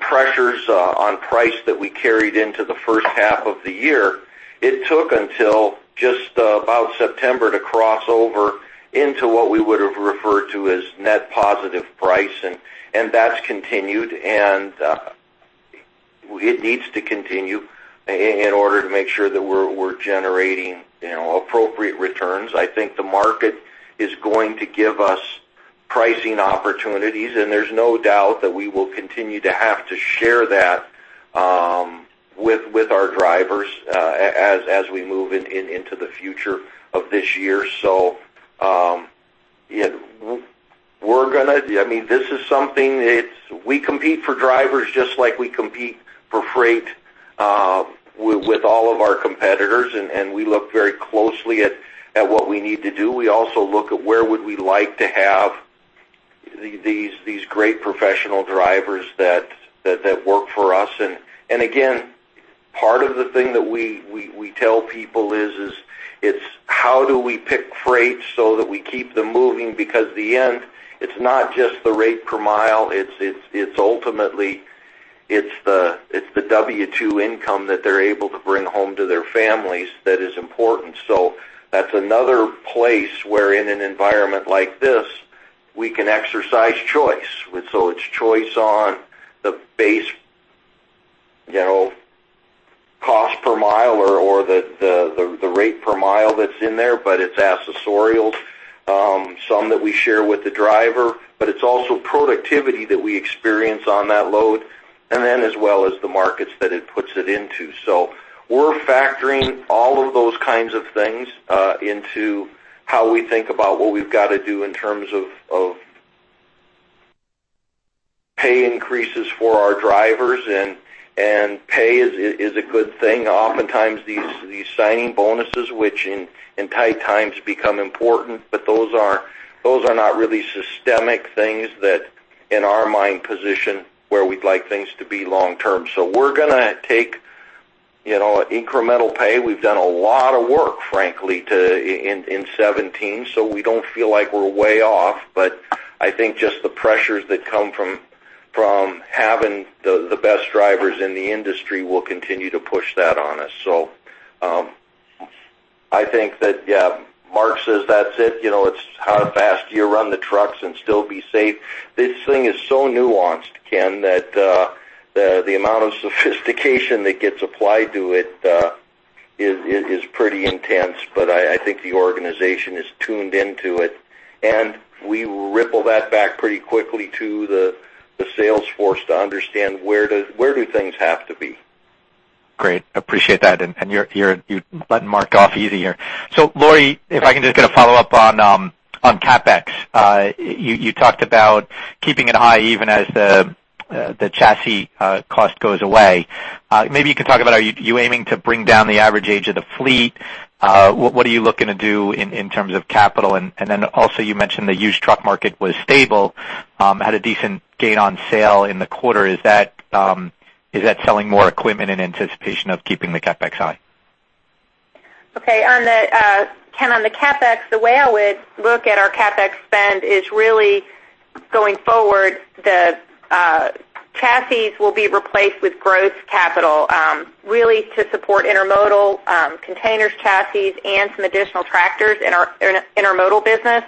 pressures on price that we carried into the first half of the year, it took until just about September to cross over into what we would have referred to as net positive price. And that's continued. And it needs to continue in order to make sure that we're generating appropriate returns. I think the market is going to give us pricing opportunities. And there's no doubt that we will continue to have to share that with our drivers as we move into the future of this year. So yeah, we're going to—I mean, this is something that we compete for drivers just like we compete for freight with all of our competitors. And we look very closely at what we need to do. We also look at where would we like to have these great professional drivers that work for us. And again, part of the thing that we tell people is it's how do we pick freight so that we keep them moving? Because in the end, it's not just the rate per mile. Ultimately, it's the W-2 income that they're able to bring home to their families that is important. So that's another place where in an environment like this, we can exercise choice. So it's choice on the base cost per mile or the rate per mile that's in there. But it's accessorials, some that we share with the driver. But it's also productivity that we experience on that load and then as well as the markets that it puts it into. So we're factoring all of those kinds of things into how we think about what we've got to do in terms of pay increases for our drivers. And pay is a good thing. Oftentimes, these signing bonuses, which in tight times become important, but those are not really systemic things that, in our mind position, where we'd like things to be long-term. So we're going to take incremental pay. We've done a lot of work, frankly, in 2017. So we don't feel like we're way off. But I think just the pressures that come from having the best drivers in the industry will continue to push that on us. So I think that, yeah, Mark says that's it. It's how fast do you run the trucks and still be safe? This thing is so nuanced, Ken, that the amount of sophistication that gets applied to it is pretty intense. But I think the organization is tuned into it. And we ripple that back pretty quickly to the sales force to understand where do things have to be. Great. Appreciate that. And you're letting Mark off easier. So, Lori, if I can just get a follow-up on CapEx. You talked about keeping it high even as the chassis cost goes away. Maybe you can talk about are you aiming to bring down the average age of the fleet? What are you looking to do in terms of capital? And then also, you mentioned the used truck market was stable, had a decent gain on sale in the quarter. Is that selling more equipment in anticipation of keeping the CapEx high? Okay. Ken, on the CapEx, the way I would look at our CapEx spend is really going forward, the chassis will be replaced with gross CapEx really to support intermodal containers, chassis, and some additional tractors in our intermodal business.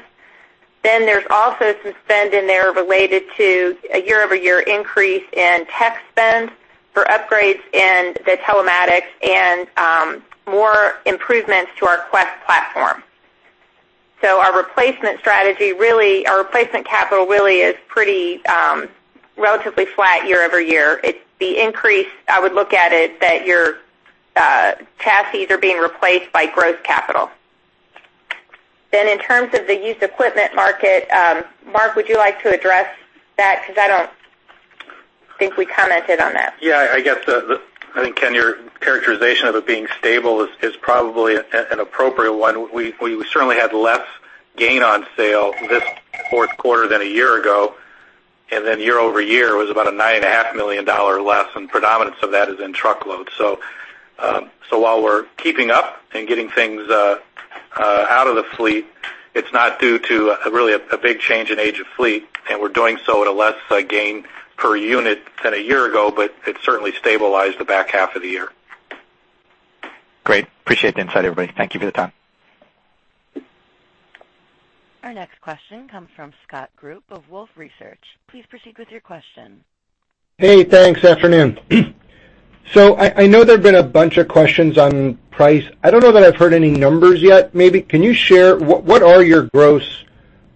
Then there's also some spend in there related to a year-over-year increase in tech spend for upgrades in the telematics and more improvements to our Quest platform. So our replacement strategy really our replacement capital really is pretty relatively flat year-over-year. The increase, I would look at it that your chassis are being replaced by gross CapEx. Then in terms of the used equipment market, Mark, would you like to address that? Because I don't think we commented on that. Yeah. I guess I think, Ken, your characterization of it being stable is probably an appropriate one. We certainly had less gain on sale this fourth quarter than a year ago. And then year-over-year, it was about a $9.5 million less. And predominance of that is in truckload. So while we're keeping up and getting things out of the fleet, it's not due to really a big change in age of fleet. And we're doing so at a less gain per unit than a year ago. But it certainly stabilized the back half of the year. Great. Appreciate the insight, everybody. Thank you for the time. Our next question comes from Scott Group of Wolfe Research. Please proceed with your question. Hey. Thanks. Afternoon. So I know there have been a bunch of questions on price. I don't know that I've heard any numbers yet, maybe. Can you share what are your gross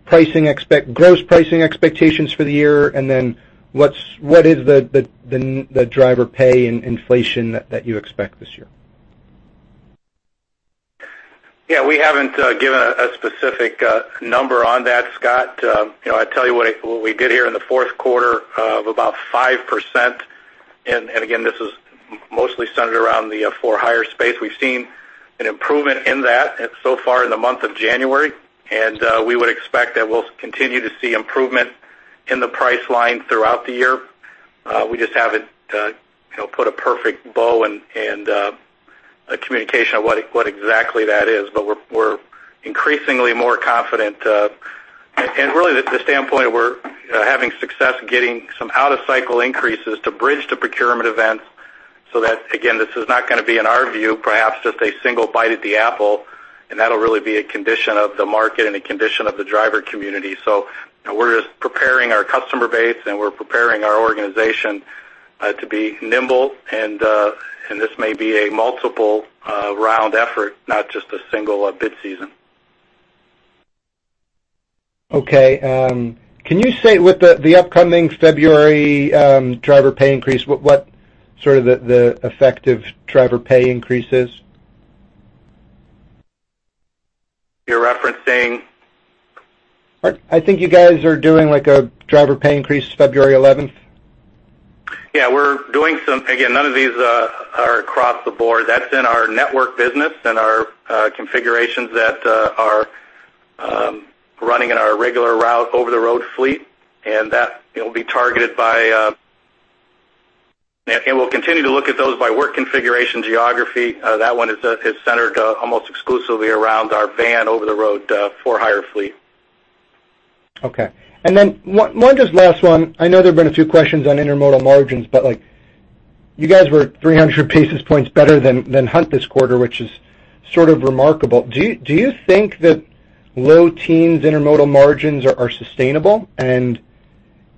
pricing expectations for the year? And then what is the driver pay inflation that you expect this year? Yeah. We haven't given a specific number on that, Scott. I tell you what we did here in the fourth quarter of about 5%. And again, this is mostly centered around the for-hire space. We've seen an improvement in that so far in the month of January. And we would expect that we'll continue to see improvement in the price line throughout the year. We just haven't put a perfect bow and a communication of what exactly that is. But we're increasingly more confident. And really, the standpoint of we're having success getting some out-of-cycle increases to bridge to procurement events so that, again, this is not going to be, in our view, perhaps just a single bite at the apple. And that'll really be a condition of the market and a condition of the driver community. So we're just preparing our customer base. We're preparing our organization to be nimble. This may be a multiple-round effort, not just a single bid season. Okay. Can you say with the upcoming February driver pay increase, what sort of the effective driver pay increase is? You're referencing? I think you guys are doing a driver pay increase February 11th? Yeah. We're doing some again, none of these are across the board. That's in our network business and our configurations that are running in our regular route over-the-road fleet. And that will be targeted by and we'll continue to look at those by work configuration, geography. That one is centered almost exclusively around our van over-the-road for-hire fleet. Okay. And then one just last one. I know there have been a few questions on intermodal margins. But you guys were 300 basis points better than Hunt this quarter, which is sort of remarkable. Do you think that low teens intermodal margins are sustainable? And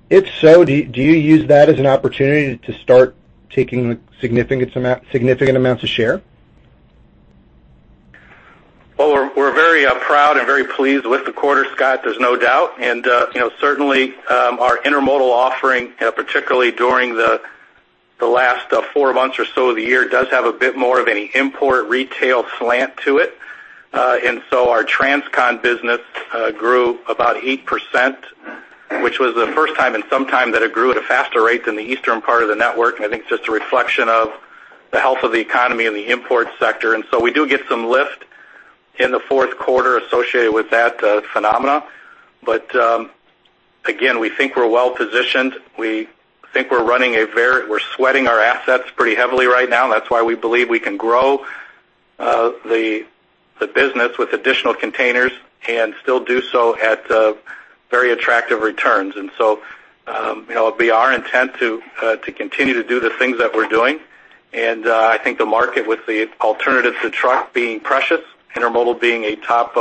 if so, do you use that as an opportunity to start taking significant amounts of share? Well, we're very proud and very pleased with the quarter, Scott. There's no doubt. And certainly, our intermodal offering, particularly during the last four months or so of the year, does have a bit more of any import retail slant to it. And so our Transcon business grew about 8%, which was the first time in some time that it grew at a faster rate than the eastern part of the network. And I think it's just a reflection of the health of the economy and the import sector. And so we do get some lift in the fourth quarter associated with that phenomenon. But again, we think we're well-positioned. We think we're running. We're sweating our assets pretty heavily right now. And that's why we believe we can grow the business with additional containers and still do so at very attractive returns. It'll be our intent to continue to do the things that we're doing. I think the market, with the alternative to truck being precious, intermodal being a top,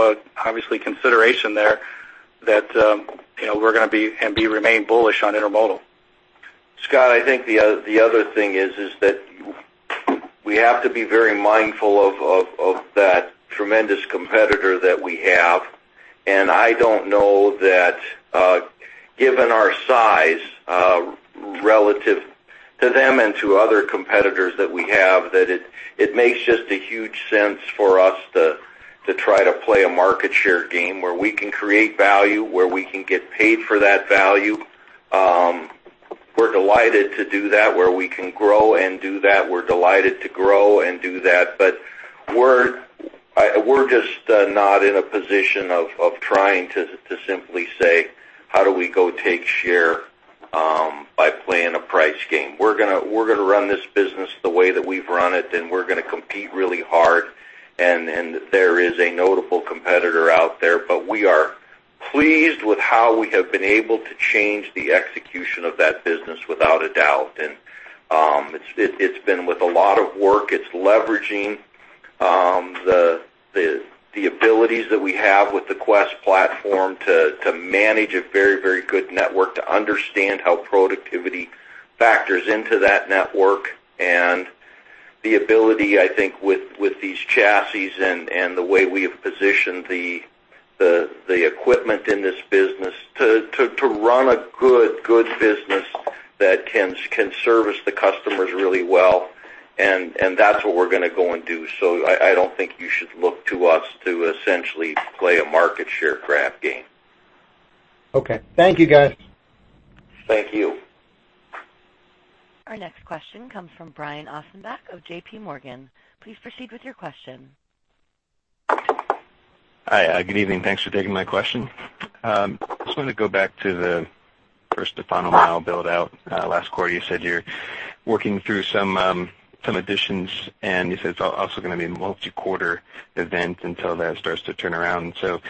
obviously, consideration there, that we're going to be and remain bullish on intermodal. Scott, I think the other thing is that we have to be very mindful of that tremendous competitor that we have. And I don't know that, given our size relative to them and to other competitors that we have, that it makes just a huge sense for us to try to play a market share game where we can create value, where we can get paid for that value. We're delighted to do that, where we can grow and do that. We're delighted to grow and do that. But we're just not in a position of trying to simply say, "How do we go take share by playing a price game?" We're going to run this business the way that we've run it. And we're going to compete really hard. And there is a notable competitor out there. But we are pleased with how we have been able to change the execution of that business without a doubt. And it's been with a lot of work. It's leveraging the abilities that we have with the Quest platform to manage a very, very good network, to understand how productivity factors into that network. And the ability, I think, with these chassis and the way we have positioned the equipment in this business to run a good business that can service the customers really well. And that's what we're going to go and do. So I don't think you should look to us to essentially play a market share grab game. Okay. Thank you, guys. Thank you. Our next question comes from Brian Ossenbeck of J.P. Morgan. Please proceed with your question. Hi. Good evening. Thanks for taking my question. I just wanted to go back to the First to Final Mile build-out last quarter. You said you're working through some additions. You said it's also going to be a multi-quarter event until that starts to turn around. So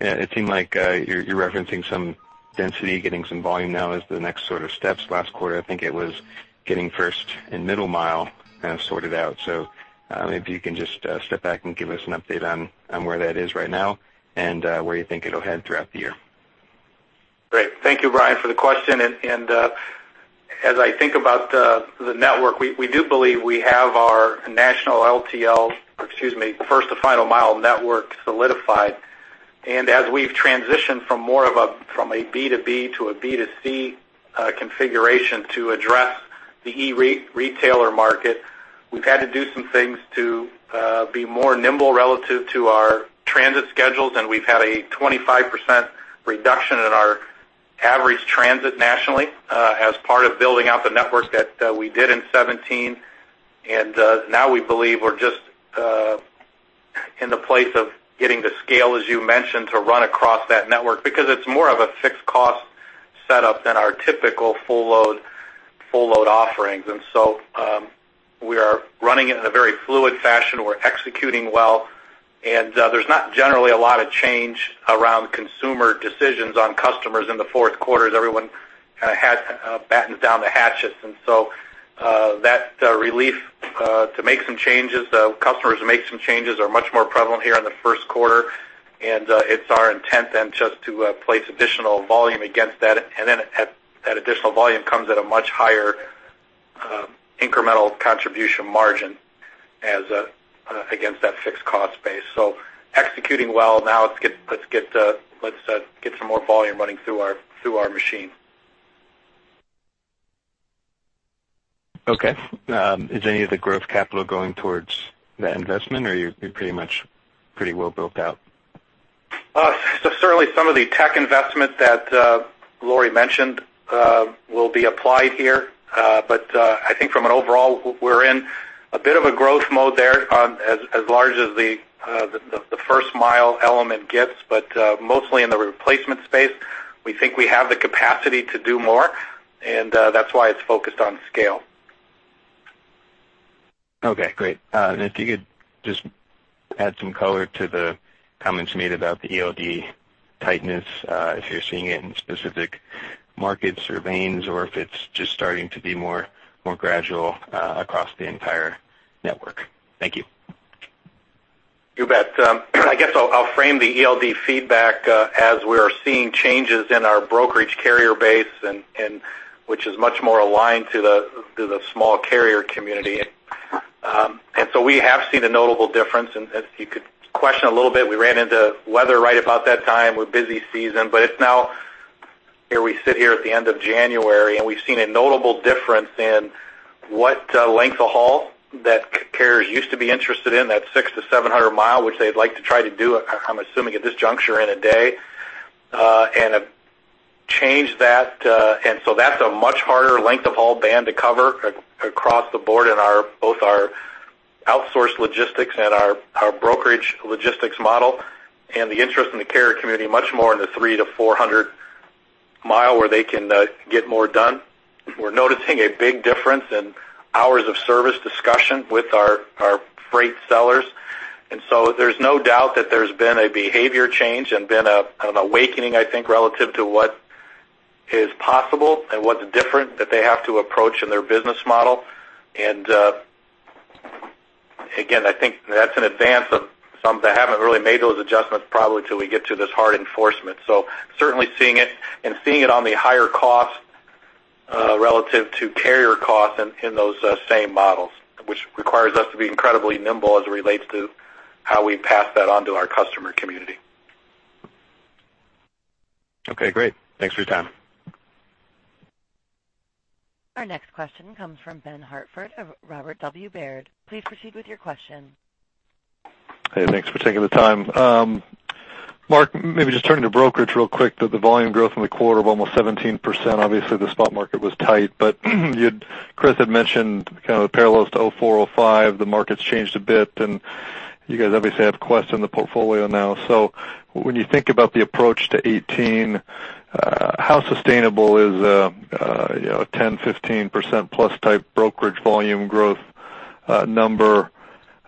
it seemed like you're referencing some density, getting some volume now as the next sort of steps last quarter. I think it was getting first and middle mile sorted out. Maybe you can just step back and give us an update on where that is right now and where you think it'll head throughout the year. Great. Thank you, Brian, for the question. And as I think about the network, we do believe we have our national LTL or, excuse me, First to Final Mile network solidified. And as we've transitioned from a B2B to a B2C configuration to address the e-retailer market, we've had to do some things to be more nimble relative to our transit schedules. And we've had a 25% reduction in our average transit nationally as part of building out the network that we did in 2017. And now we believe we're just in the place of getting the scale, as you mentioned, to run across that network because it's more of a fixed-cost setup than our typical full-load offerings. And so we are running it in a very fluid fashion. We're executing well. There's not generally a lot of change around consumer decisions on customers in the fourth quarters. Everyone kind of battened down the hatches. So that relief to make some changes, customers to make some changes are much more prevalent here in the first quarter. It's our intent then just to place additional volume against that. Then that additional volume comes at a much higher incremental contribution margin against that fixed-cost base. Executing well now, let's get some more volume running through our machine. Okay. Is any of the growth capital going towards that investment? Or you're pretty much pretty well built out? So certainly, some of the tech investment that Lori mentioned will be applied here. But I think from an overall, we're in a bit of a growth mode there as large as the first-mile element gets. But mostly in the replacement space, we think we have the capacity to do more. And that's why it's focused on scale. Okay. Great. If you could just add some color to the comments made about the ELD tightness, if you're seeing it in specific markets or lanes or if it's just starting to be more gradual across the entire network. Thank you. You bet. I guess I'll frame the ELD feedback as we are seeing changes in our brokerage carrier base, which is much more aligned to the small carrier community. And so we have seen a notable difference. And if you could question a little bit, we ran into weather right about that time. We're busy season. But it's now here we sit here at the end of January. And we've seen a notable difference in what length of haul that carriers used to be interested in, that 600-700-mile, which they'd like to try to do, I'm assuming, at this juncture in a day, and have changed that. That's a much harder length of haul band to cover across the board in both our outsourced logistics and our brokerage logistics model, and the interest in the carrier community much more in the 300-400-mile where they can get more done. We're noticing a big difference in hours of service discussion with our freight sellers. There's no doubt that there's been a behavior change and an awakening, I think, relative to what is possible and what's different that they have to approach in their business model. Again, I think that's an advantage for some that haven't really made those adjustments probably till we get to this hard enforcement. So certainly seeing it and seeing it on the higher cost relative to carrier costs in those same models, which requires us to be incredibly nimble as it relates to how we pass that on to our customer community. Okay. Great. Thanks for your time. Our next question comes from Ben Hartford of Robert W. Baird. Please proceed with your question. Hey. Thanks for taking the time. Mark, maybe just turning to brokerage real quick. The volume growth in the quarter of almost 17%. Obviously, the spot market was tight. But Chris had mentioned kind of the parallels to 2004, 2005. The market's changed a bit. And you guys obviously have Quest in the portfolio now. So when you think about the approach to 2018, how sustainable is a 10%, 15%+ type brokerage volume growth number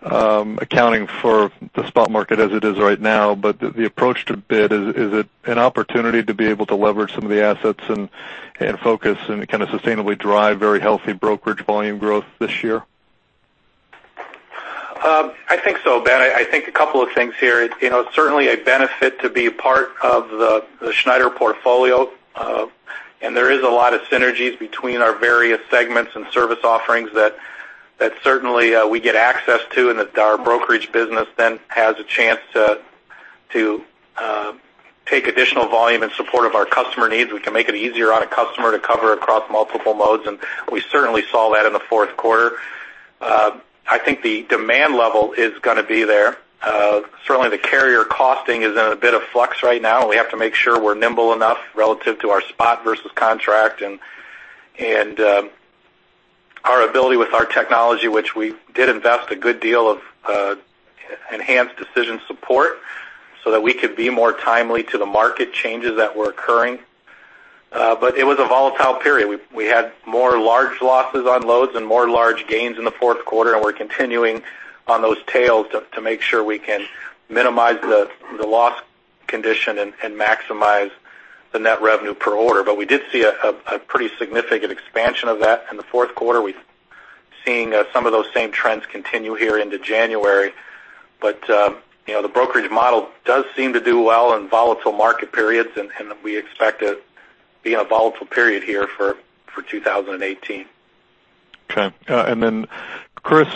accounting for the spot market as it is right now? But the approach to bid, is it an opportunity to be able to leverage some of the assets and focus and kind of sustainably drive very healthy brokerage volume growth this year? I think so, Ben. I think a couple of things here. It's certainly a benefit to be a part of the Schneider portfolio. There is a lot of synergies between our various segments and service offerings that certainly we get access to. Our brokerage business then has a chance to take additional volume in support of our customer needs. We can make it easier on a customer to cover across multiple modes. We certainly saw that in the fourth quarter. I think the demand level is going to be there. Certainly, the carrier costing is in a bit of flux right now. We have to make sure we're nimble enough relative to our spot versus contract and our ability with our technology, which we did invest a good deal of enhanced decision support so that we could be more timely to the market changes that were occurring. It was a volatile period. We had more large losses on loads and more large gains in the fourth quarter. We're continuing on those tails to make sure we can minimize the loss condition and maximize the net revenue per order. We did see a pretty significant expansion of that in the fourth quarter. We're seeing some of those same trends continue here into January. The brokerage model does seem to do well in volatile market periods. We expect to be in a volatile period here for 2018. Okay. And then, Chris,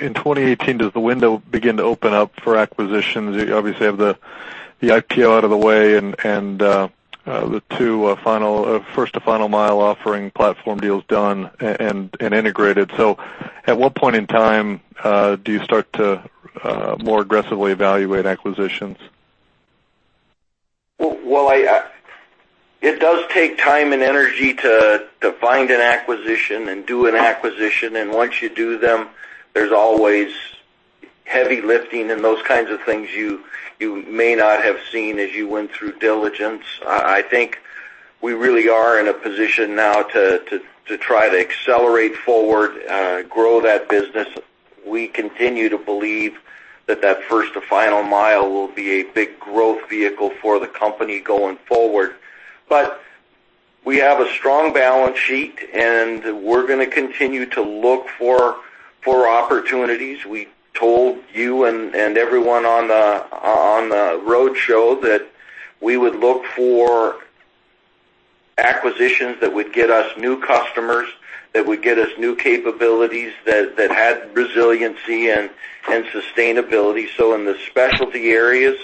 in 2018, does the window begin to open up for acquisitions? You obviously have the IPO out of the way and the First to Final Mile offering platform deals done and integrated. So at what point in time do you start to more aggressively evaluate acquisitions? Well, it does take time and energy to find an acquisition and do an acquisition. Once you do them, there's always heavy lifting and those kinds of things you may not have seen as you went through diligence. I think we really are in a position now to try to accelerate forward, grow that business. We continue to believe that that First to Final Mile will be a big growth vehicle for the company going forward. We have a strong balance sheet. We're going to continue to look for opportunities. We told you and everyone on the roadshow that we would look for acquisitions that would get us new customers, that would get us new capabilities that had resiliency and sustainability. In the specialty areas,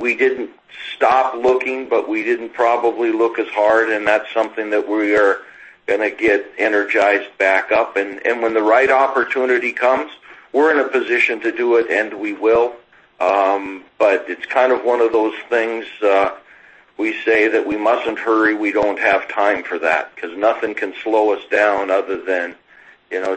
we didn't stop looking. We didn't probably look as hard. And that's something that we are going to get energized back up. And when the right opportunity comes, we're in a position to do it. And we will. But it's kind of one of those things we say that we mustn't hurry. We don't have time for that because nothing can slow us down other than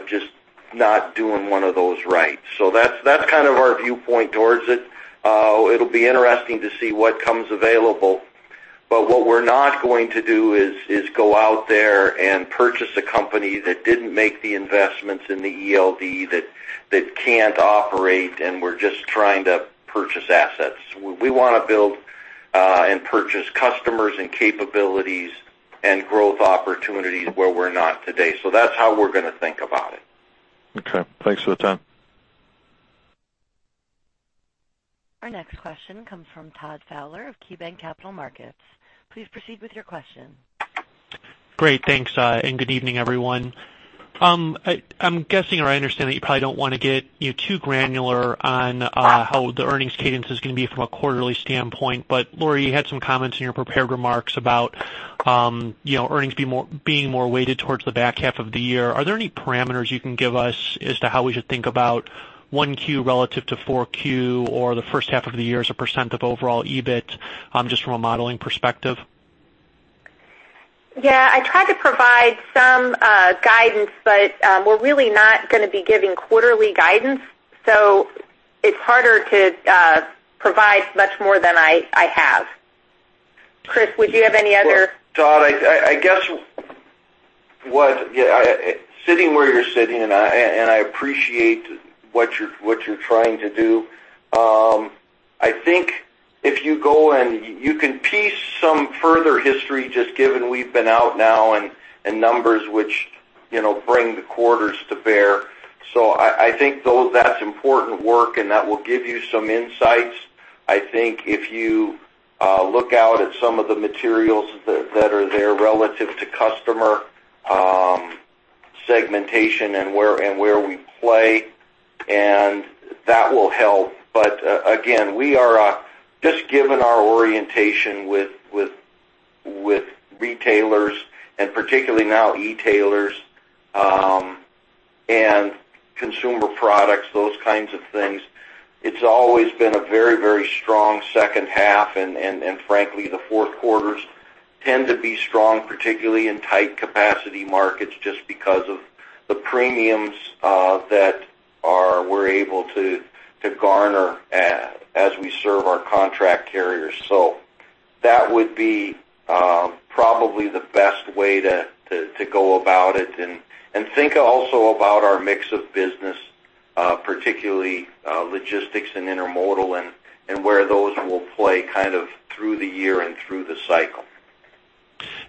just not doing one of those right. So that's kind of our viewpoint towards it. It'll be interesting to see what comes available. But what we're not going to do is go out there and purchase a company that didn't make the investments in the ELD that can't operate. And we're just trying to purchase assets. We want to build and purchase customers and capabilities and growth opportunities where we're not today. So that's how we're going to think about it. Okay. Thanks for the time. Our next question comes from Todd Fowler of KeyBanc Capital Markets. Please proceed with your question. Great. Thanks. And good evening, everyone. I'm guessing or I understand that you probably don't want to get too granular on how the earnings cadence is going to be from a quarterly standpoint. But Lori, you had some comments in your prepared remarks about earnings being more weighted towards the back half of the year. Are there any parameters you can give us as to how we should think about 1Q relative to 4Q or the first half of the year as a % of overall EBIT just from a modeling perspective? Yeah. I tried to provide some guidance. But we're really not going to be giving quarterly guidance. So it's harder to provide much more than I have. Chris, would you have any other? Todd, I guess sitting where you're sitting and I appreciate what you're trying to do. I think if you go and you can piece some further history just given we've been out now and numbers which bring the quarters to bear. So I think that's important work. That will give you some insights. I think if you look out at some of the materials that are there relative to customer segmentation and where we play, that will help. But again, just given our orientation with retailers and particularly now e-tailers and consumer products, those kinds of things, it's always been a very, very strong second half. Frankly, the fourth quarters tend to be strong, particularly in tight-capacity markets just because of the premiums that we're able to garner as we serve our contract carriers. So that would be probably the best way to go about it. Think also about our mix of business, particularly logistics and intermodal and where those will play kind of through the year and through the cycle.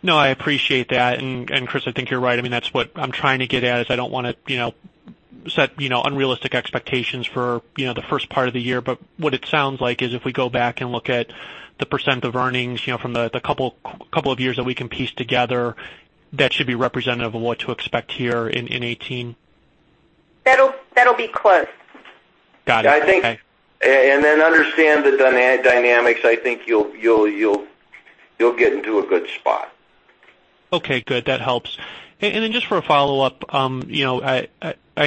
No. I appreciate that. And Chris, I think you're right. I mean, that's what I'm trying to get at is I don't want to set unrealistic expectations for the first part of the year. But what it sounds like is if we go back and look at the percent of earnings from the couple of years that we can piece together, that should be representative of what to expect here in 2018. That'll be close. Got it. And then understand the dynamics. I think you'll get into a good spot. Okay. Good. That helps. And then just for a follow-up, I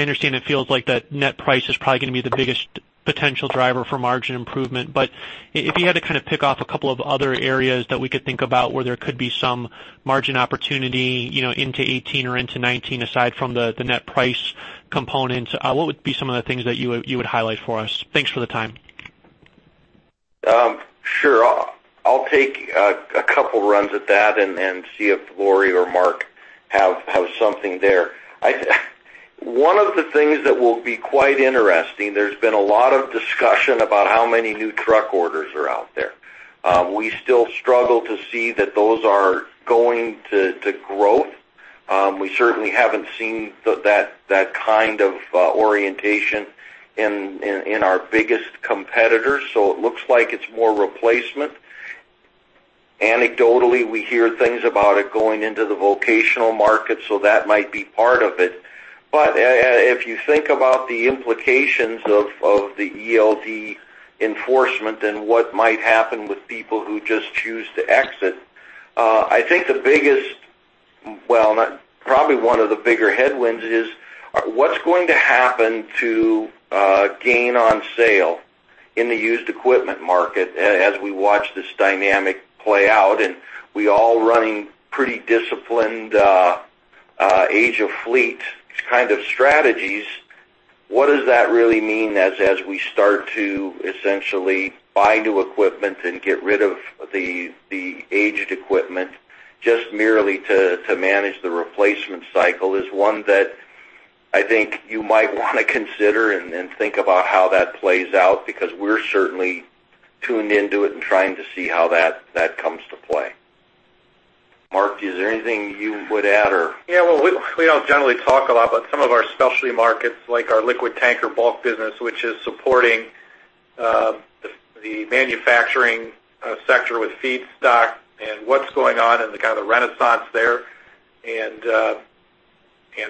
understand it feels like that net price is probably going to be the biggest potential driver for margin improvement. But if you had to kind of pick off a couple of other areas that we could think about where there could be some margin opportunity into 2018 or into 2019 aside from the net price component, what would be some of the things that you would highlight for us? Thanks for the time. Sure. I'll take a couple runs at that and see if Lori or Mark have something there. One of the things that will be quite interesting, there's been a lot of discussion about how many new truck orders are out there. We still struggle to see that those are going to growth. We certainly haven't seen that kind of orientation in our biggest competitors. So it looks like it's more replacement. Anecdotally, we hear things about it going into the vocational market. So that might be part of it. But if you think about the implications of the ELD enforcement and what might happen with people who just choose to exit, I think the biggest well, probably one of the bigger headwinds is what's going to happen to gain on sale in the used equipment market as we watch this dynamic play out? And we're all running pretty disciplined age-of-fleet kind of strategies. What does that really mean as we start to essentially buy new equipment and get rid of the aged equipment just merely to manage the replacement cycle is one that I think you might want to consider and think about how that plays out because we're certainly tuned into it and trying to see how that comes to play. Mark, is there anything you would add or? Yeah. Well, we don't generally talk a lot. But some of our specialty markets, like our liquid tanker bulk business, which is supporting the manufacturing sector with feedstock and what's going on and the kind of renaissance there. And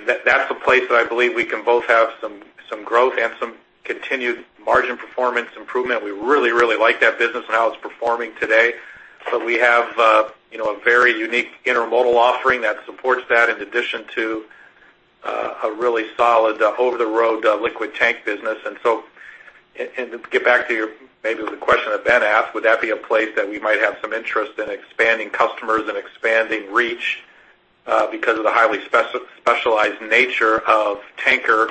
that's a place that I believe we can both have some growth and some continued margin performance improvement. We really, really like that business and how it's performing today. But we have a very unique intermodal offering that supports that in addition to a really solid over-the-road liquid tank business. And to get back to maybe the question that Ben asked, would that be a place that we might have some interest in expanding customers and expanding reach because of the highly specialized nature of tanker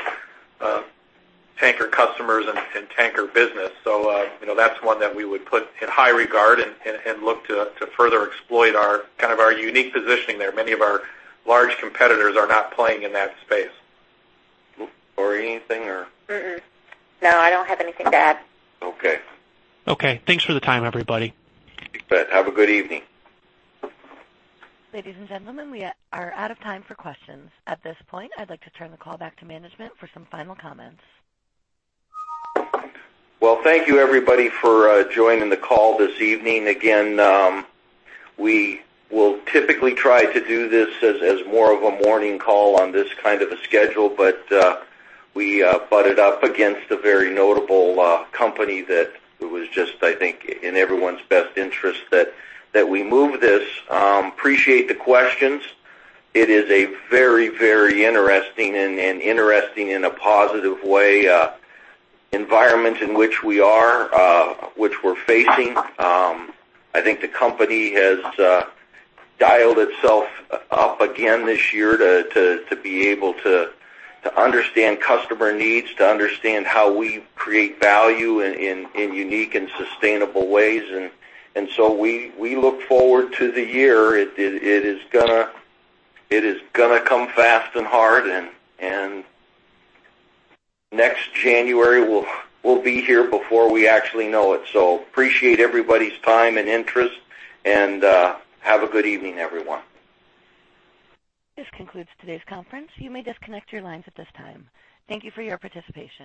customers and tanker business? So that's one that we would put in high regard and look to further exploit kind of our unique positioning there. Many of our large competitors are not playing in that space. Lori, anything or? No. I don't have anything to add. Okay. Okay. Thanks for the time, everybody. Thanks, Ben. Have a good evening. Ladies and gentlemen, we are out of time for questions at this point. I'd like to turn the call back to management for some final comments. Well, thank you, everybody, for joining the call this evening. Again, we will typically try to do this as more of a morning call on this kind of a schedule. But we butted up against a very notable company that it was just, I think, in everyone's best interest that we move this. Appreciate the questions. It is a very, very interesting and interesting in a positive way environment in which we are, which we're facing. I think the company has dialed itself up again this year to be able to understand customer needs, to understand how we create value in unique and sustainable ways. And so we look forward to the year. It is going to come fast and hard. And next January, we'll be here before we actually know it. So appreciate everybody's time and interest. And have a good evening, everyone. This concludes today's conference. You may disconnect your lines at this time. Thank you for your participation.